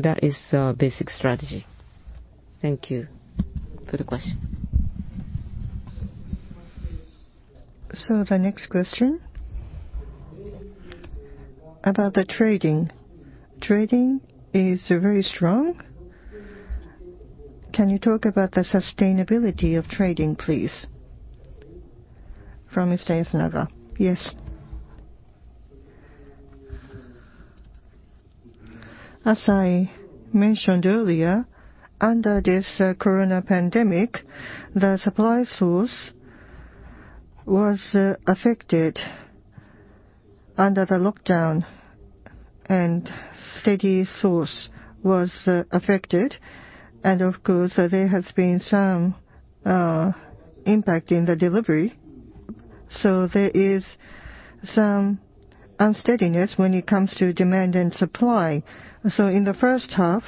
That is our basic strategy. Thank you for the question. The next question, about the trading. Trading is very strong. Can you talk about the sustainability of trading, please? From Mr. Yasunaga. Yes. As I mentioned earlier, under this coronavirus pandemic, the supply source was affected under the lockdown, and steady source was affected. Of course, there has been some impact in the delivery. There is some unsteadiness when it comes to demand and supply. In the first half,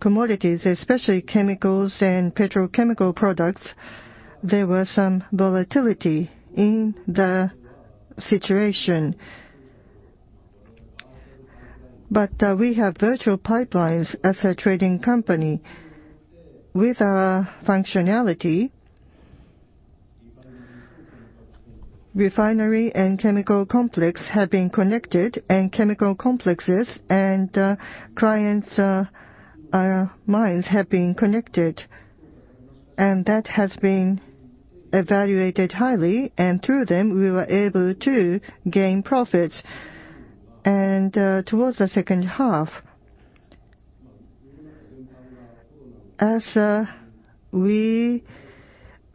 commodities, especially Chemicals and petrochemical products, there was some volatility in the situation. We have virtual pipelines as a trading company. With our functionality, refinery and chemical complex have been connected, and chemical complexes and clients' mines have been connected. That has been evaluated highly, and through them, we were able to gain profits. Towards the second half, as we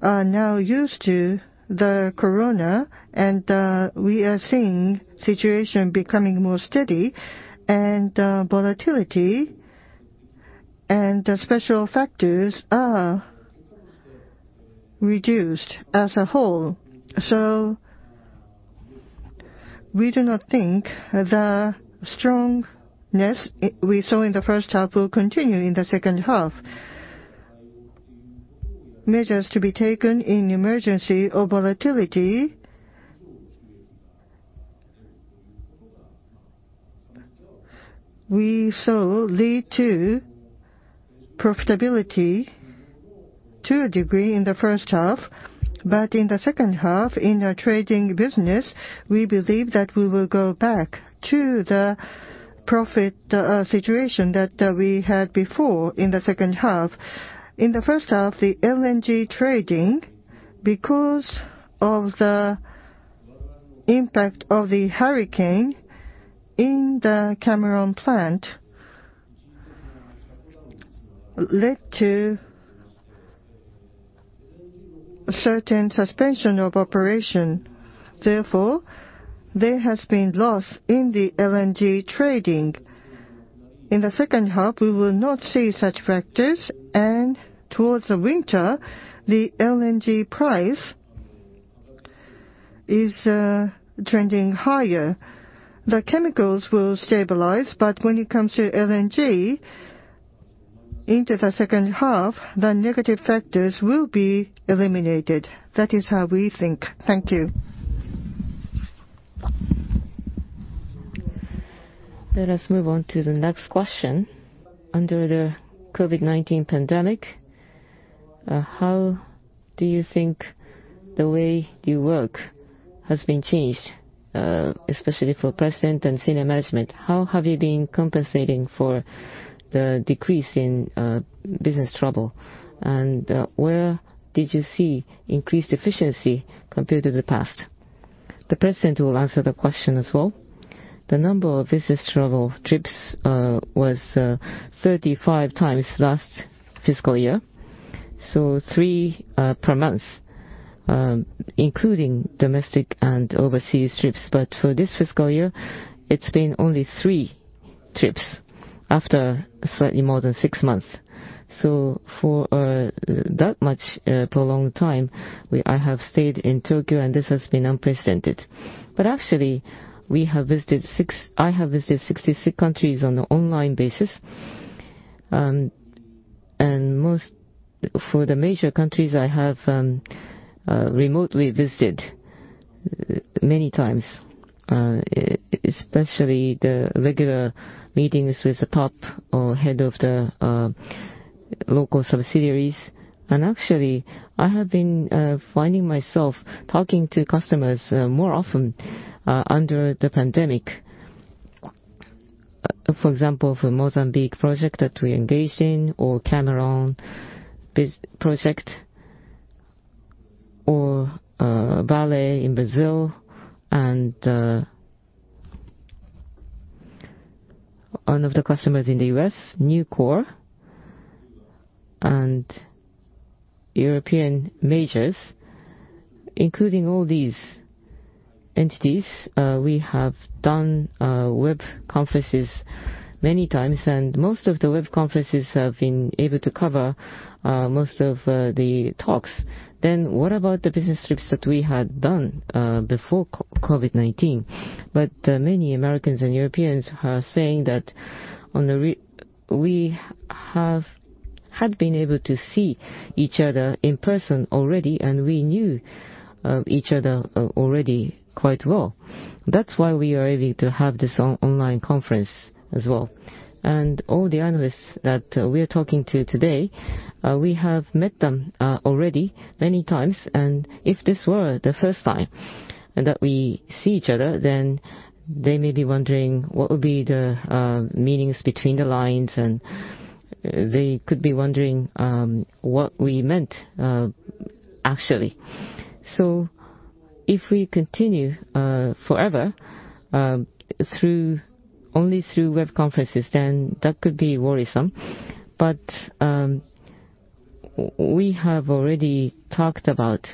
are now used to the COVID-19, and we are seeing situation becoming more steady, and volatility and special factors are reduced as a whole. We do not think the strongness we saw in the first half will continue in the second half. Measures to be taken in emergency or volatility, we saw lead to profitability to a degree in the first half. In the second half, in the trading business, we believe that we will go back to the profit situation that we had before in the second half. In the first half, the LNG trading, because of the impact of the hurricane in the Cameron LNG, led to certain suspension of operation. Therefore, there has been loss in the LNG trading. In the second half, we will not see such factors, and towards the winter, the LNG price is trending higher. The Chemicals will stabilize, but when it comes to LNG into the second half, the negative factors will be eliminated. That is how we think. Thank you. Let us move on to the next question. Under the COVID-19 pandemic, how do you think the way you work has been changed, especially for President and Senior Management? How have you been compensating for the decrease in business travel, and where did you see increased efficiency compared to the past? The President will answer the question as well. The number of business travel trips was 35x last fiscal year, so three per month, including domestic and overseas trips. For this fiscal year, it's been only three trips after slightly more than six months. For that much prolonged time, I have stayed in Tokyo, and this has been unprecedented. Actually, I have visited 66 countries on an online basis. For the major countries, I have remotely visited many times, especially the regular meetings with the top or head of the local subsidiaries. Actually, I have been finding myself talking to customers more often under the pandemic. For example, for Mozambique project that we engage in, or Cameron project, or Vale in Brazil, and one of the customers in the U.S., Nucor, and European majors, including all these entities, we have done web conferences many times, and most of the web conferences have been able to cover most of the talks. What about the business trips that we had done before COVID-19? Many Americans and Europeans are saying that we had been able to see each other in person already, and we knew each other already quite well. That's why we are able to have this online conference as well. All the analysts that we're talking to today, we have met them already many times, and if this were the first time that we see each other, then they may be wondering what would be the meanings between the lines, and they could be wondering what we meant, actually. If we continue forever only through web conferences, then that could be worrisome. We have already talked about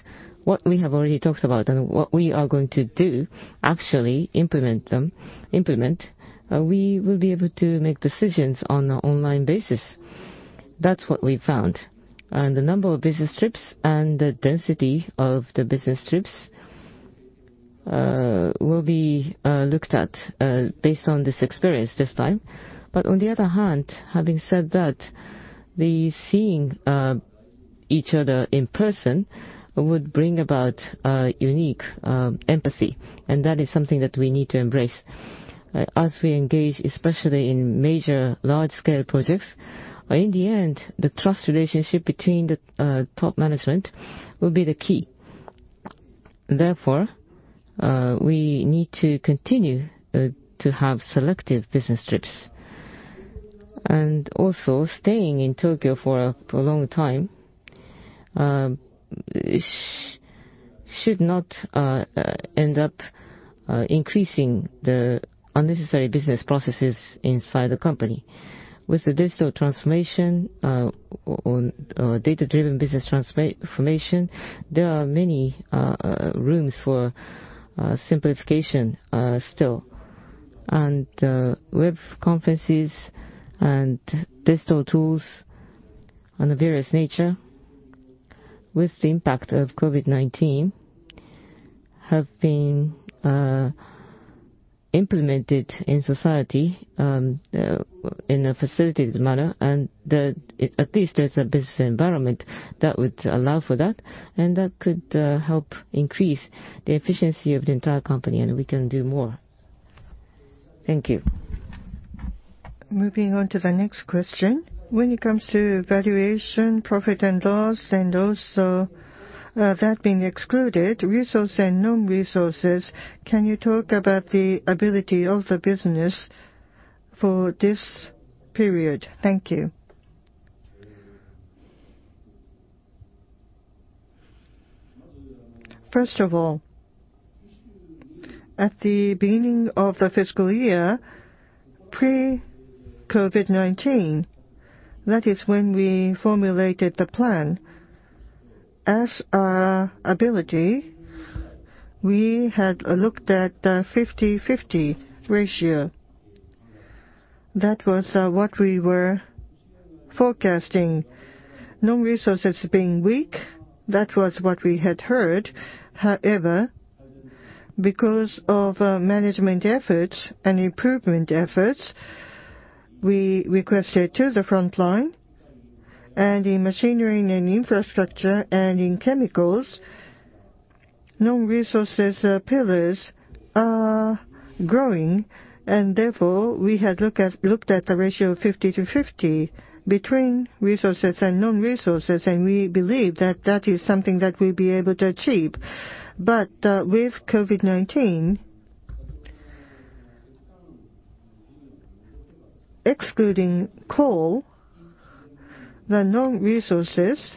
what we have already talked about and what we are going to do, actually implement them. We will be able to make decisions on an online basis. That's what we found. The number of business trips and the density of the business trips will be looked at based on this experience this time. Having said that, the seeing each other in person would bring about a unique empathy, and that is something that we need to embrace. As we engage, especially in major large-scale projects, in the end, the trust relationship between the top management will be the key. Therefore, we need to continue to have selective business trips. Staying in Tokyo for a long time should not end up increasing the unnecessary business processes inside the company. With the digital transformation, or data-driven business transformation, there are many rooms for simplification still. Web conferences and digital tools on the various nature with the impact of COVID-19 have been implemented in society in a facilitated manner. At least there's a business environment that would allow for that, and that could help increase the efficiency of the entire company, and we can do more. Thank you. Moving on to the next question. When it comes to valuation, profit and loss, and also that being excluded, resource and non-resources, can you talk about the ability of the business for this period? Thank you. First of all, at the beginning of the fiscal year, pre-COVID-19, that is when we formulated the plan. As our ability, we had looked at the 50/50 ratio. That was what we were forecasting. Non-resources being weak, that was what we had heard. Because of management efforts and improvement efforts, we requested to the frontline, and in Machinery & Infrastructure and in Chemicals, non-resources pillars are growing. Therefore, we had looked at the ratio of 50/50 between resources and non-resources, and we believe that that is something that we'll be able to achieve. With COVID-19, excluding coal, the non-resources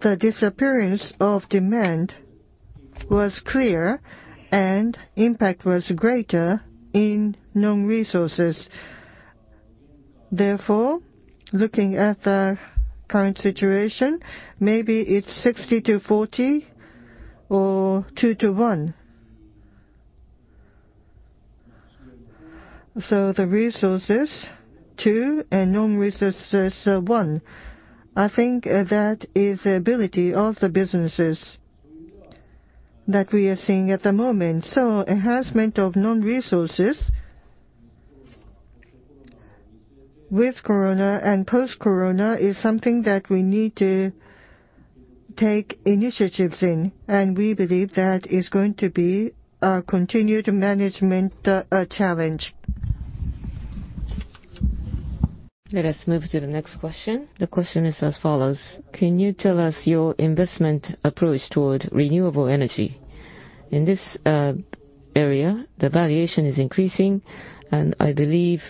The disappearance of demand was clear, and impact was greater in non-resources. Therefore, looking at the current situation, maybe it's 60:40 or 2:1. The resources, two, and non-resources, one. I think that is the ability of the businesses that we are seeing at the moment. Enhancement of non-resources with COVID and post-COVID is something that we need to take initiatives in, and we believe that is going to be a continued management challenge. Let us move to the next question. The question is as follows: Can you tell us your investment approach toward renewable energy? In this area, the valuation is increasing, and I believe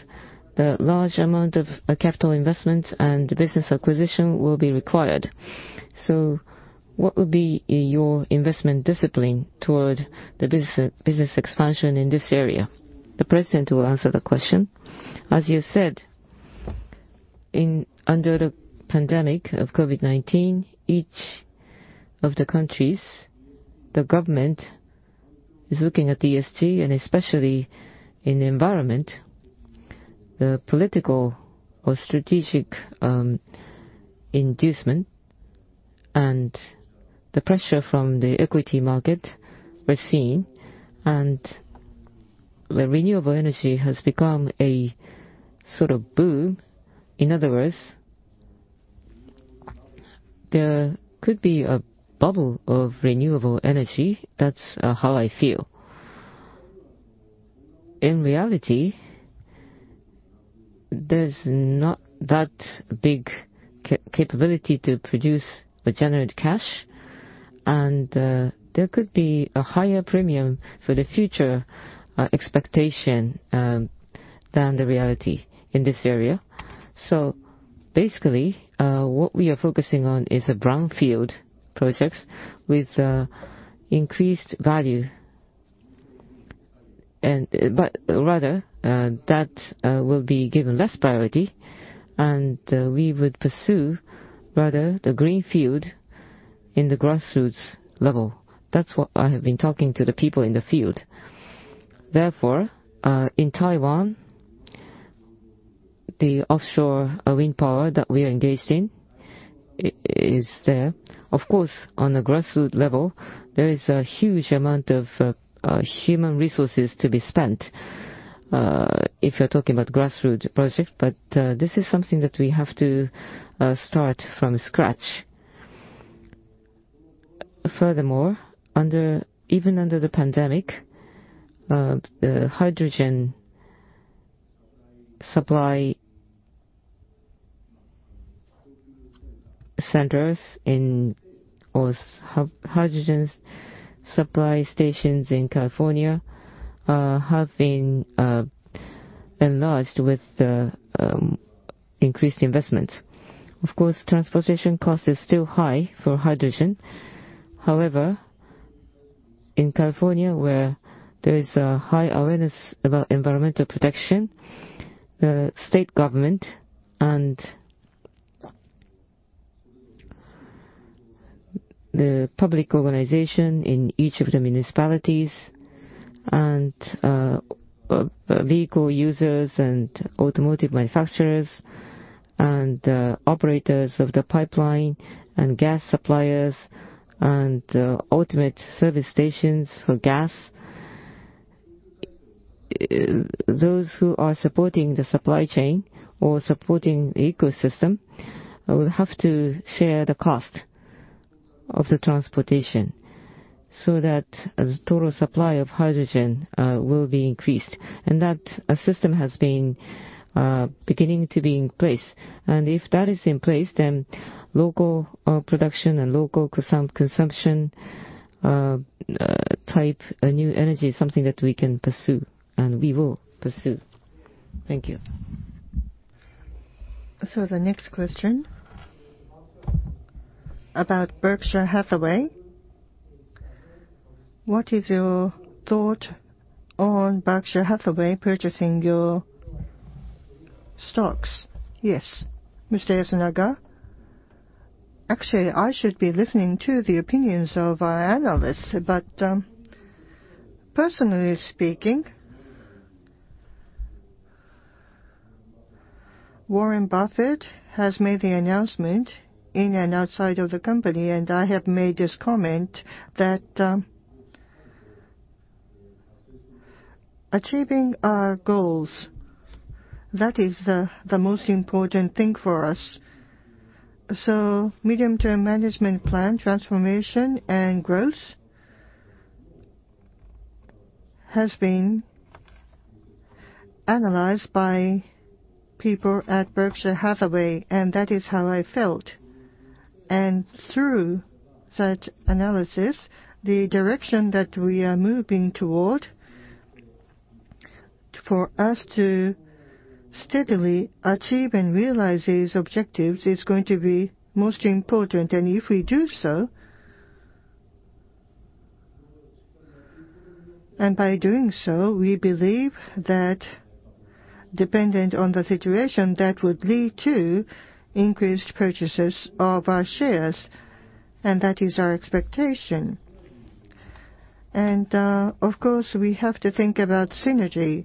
that a large amount of capital investments and business acquisition will be required. What would be your investment discipline toward the business expansion in this area? The President will answer the question. As you said, under the pandemic of COVID-19, each of the countries, the government is looking at ESG, and especially in the environment, the political or strategic inducement and the pressure from the equity market were seen. The renewable energy has become a sort of boom. In other words, there could be a bubble of renewable energy. That's how I feel. In reality, there's not that big capability to produce or generate cash, and there could be a higher premium for the future expectation than the reality in this area. Basically, what we are focusing on is brownfield projects with increased value. Rather, that will be given less priority, and we would pursue, rather, the greenfield in the grassroots level. That's what I have been talking to the people in the field. In Taiwan, the offshore wind power that we are engaged in is there. Of course, on a grassroots level, there is a huge amount of human resources to be spent, if you're talking about grassroots projects, but this is something that we have to start from scratch. Even under the pandemic, the hydrogen supply centers or hydrogen supply stations in California have been enlarged with increased investments. Of course, transportation cost is still high for hydrogen. However, in California, where there is a high awareness about environmental protection, the state government and the public organization in each of the municipalities and vehicle users and automotive manufacturers and operators of the pipeline and gas suppliers and ultimate service stations for gas, those who are supporting the supply chain or supporting the ecosystem will have to share the cost of the transportation so that the total supply of hydrogen will be increased. That system has been beginning to be in place. If that is in place, then local production and local consumption type new energy is something that we can pursue, and we will pursue. Thank you. The next question, about Berkshire Hathaway. What is your thought on Berkshire Hathaway purchasing your stocks? Yes, Mr. Yasunaga. Actually, I should be listening to the opinions of our analysts. Personally speaking, Warren Buffett has made the announcement in and outside of the company, and I have made this comment that achieving our goals, that is the most important thing for us. Medium-term Management Plan, transformation, and growth has been analyzed by people at Berkshire Hathaway, and that is how I felt. Through that analysis, the direction that we are moving toward. For us to steadily achieve and realize these objectives is going to be most important. If we do so, and by doing so, we believe that dependent on the situation, that would lead to increased purchases of our shares, and that is our expectation. Of course, we have to think about synergy.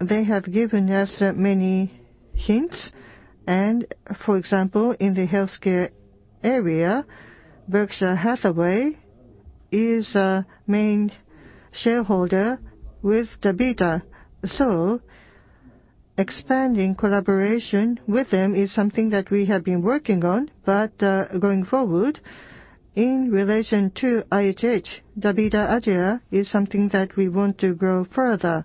They have given us many hints. For example, in the healthcare area, Berkshire Hathaway is a main shareholder with DaVita. Expanding collaboration with them is something that we have been working on. Going forward, in relation to IHH, DaVita Asia-Pacific is something that we want to grow further.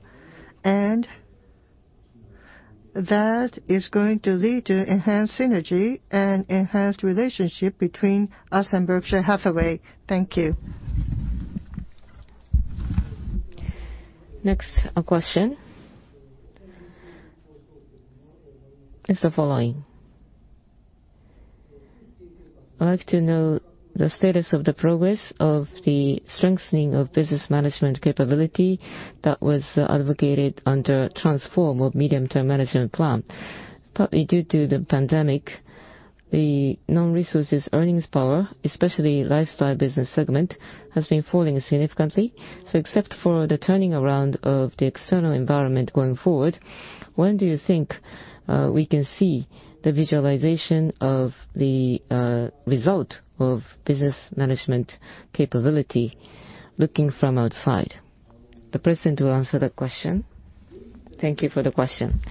That is going to lead to enhanced synergy and enhanced relationship between us and Berkshire Hathaway. Thank you. A question is the following. I'd like to know the status of the progress of the strengthening of business management capability that was advocated under Transform of Medium-Term Management Plan. Partly due to the pandemic, the non-resources earnings power, especially Lifestyle business segment, has been falling significantly. Except for the turning around of the external environment going forward, when do you think we can see the visualization of the result of business management capability looking from outside? The President will answer that question. Thank you for the question.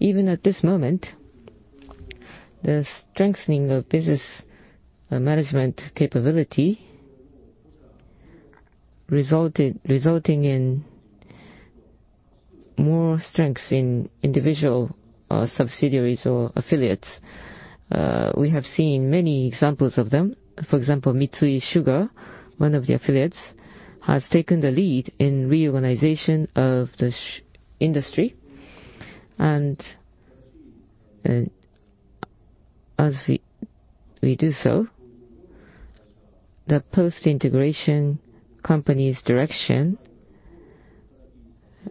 Even at this moment, the strengthening of business management capability resulting in more strengths in individual subsidiaries or affiliates. We have seen many examples of them. For example, Mitsui Sugar, one of the affiliates, has taken the lead in reorganization of the industry. As we do so, the post-integration company's direction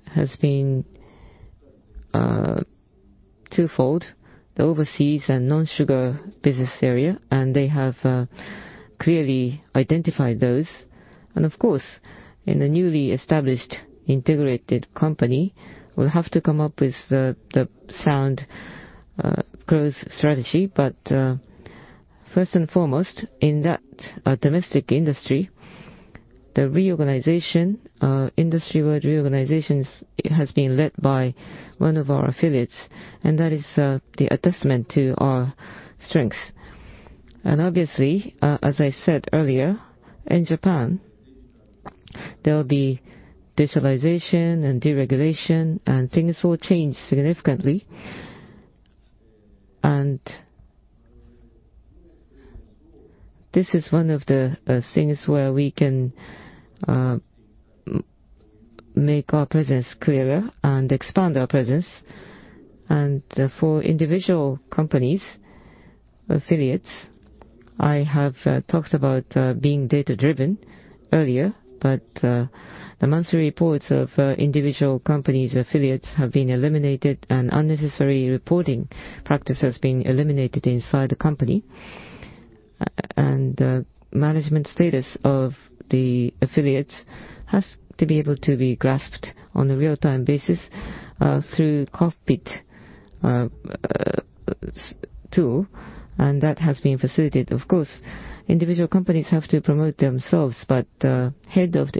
has been twofold, the overseas and non-sugar business area, and they have clearly identified those. Of course, in the newly established integrated company, we'll have to come up with the sound growth strategy. First and foremost, in that domestic industry, the reorganization, industry-wide reorganizations has been led by one of our affiliates, that is the attestment to our strength. Obviously, as I said earlier, in Japan, there'll be digitalization and deregulation and things will change significantly. This is one of the things where we can make our presence clearer and expand our presence. For individual companies, affiliates, I have talked about being data-driven earlier. The monthly reports of individual companies affiliates have been eliminated, unnecessary reporting practice has been eliminated inside the company. Management status of the affiliates has to be able to be grasped on a real-time basis, through cockpit tool, and that has been facilitated. Of course, individual companies have to promote themselves, but head of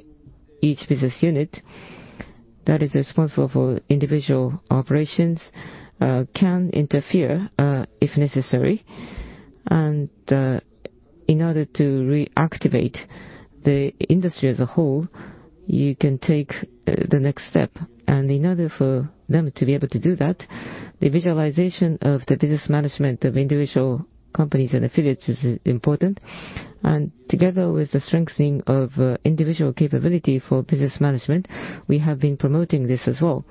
each business unit that is responsible for individual operations can interfere if necessary. In order to reactivate the industry as a whole, you can take the next step. In order for them to be able to do that, the visualization of the business management of individual companies and affiliates is important. Together with the strengthening of individual capability for business management, we have been promoting this as well.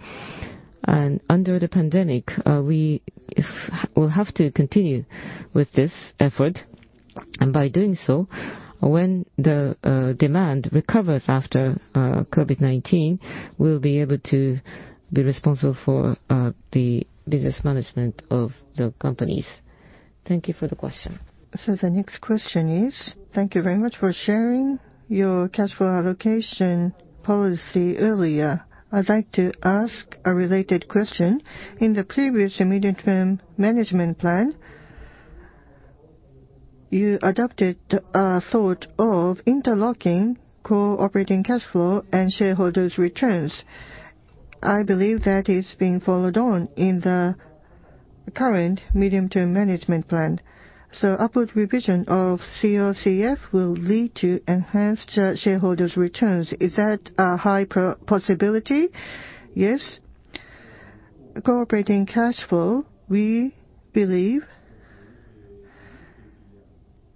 Under the pandemic, we'll have to continue with this effort. By doing so, when the demand recovers after COVID-19, we'll be able to be responsible for the business management of the companies. Thank you for the question. The next question is, thank you very much for sharing your cash flow allocation policy earlier. I'd like to ask a related question. In the previous and Medium-term Management Plan, you adopted a thought of interlocking core operating cash flow and shareholders' returns. I believe that is being followed on in the current Medium-term Management Plan. Upward revision of COCF will lead to enhanced shareholders' returns. Is that a high possibility? Yes. Core operating cash flow, we believe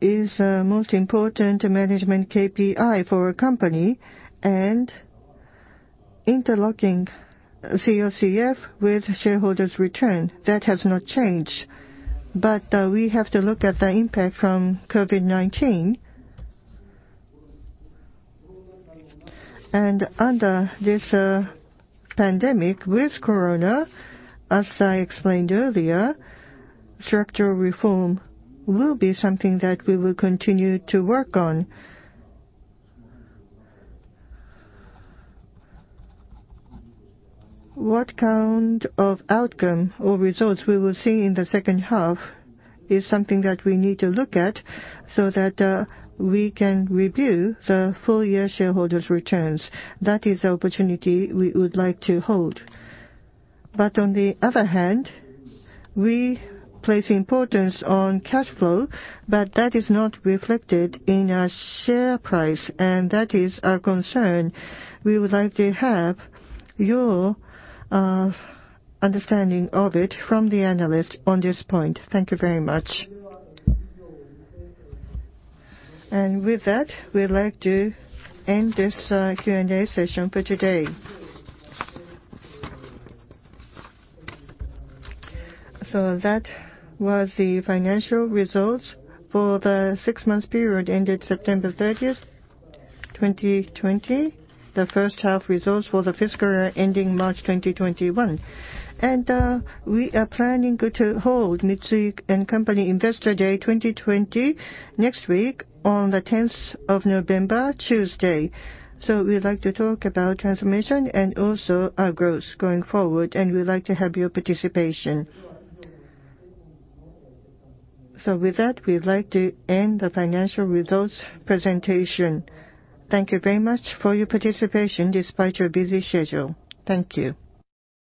is most important management KPI for a company, and interlocking COCF with shareholders' return. That has not changed. We have to look at the impact from COVID-19. Under this pandemic with corona, as I explained earlier, structural reform will be something that we will continue to work on. What kind of outcome or results we will see in the second half is something that we need to look at so that we can review the full year shareholders returns. That is the opportunity we would like to hold. On the other hand, we place importance on cash flow, but that is not reflected in our share price, and that is our concern. We would like to have your understanding of it from the analyst on this point. Thank you very much. With that, we'd like to end this Q&A session for today. That was the financial results for the six-month period ended September 30th, 2020, the First Half Results for the Fiscal Year ending March 2021. We are planning to hold Mitsui & Co Investor Day 2020 next week on the 10th of November, Tuesday. We'd like to talk about transformation and also our growth going forward, and we'd like to have your participation. With that, we'd like to end the financial results presentation. Thank you very much for your participation despite your busy schedule. Thank you.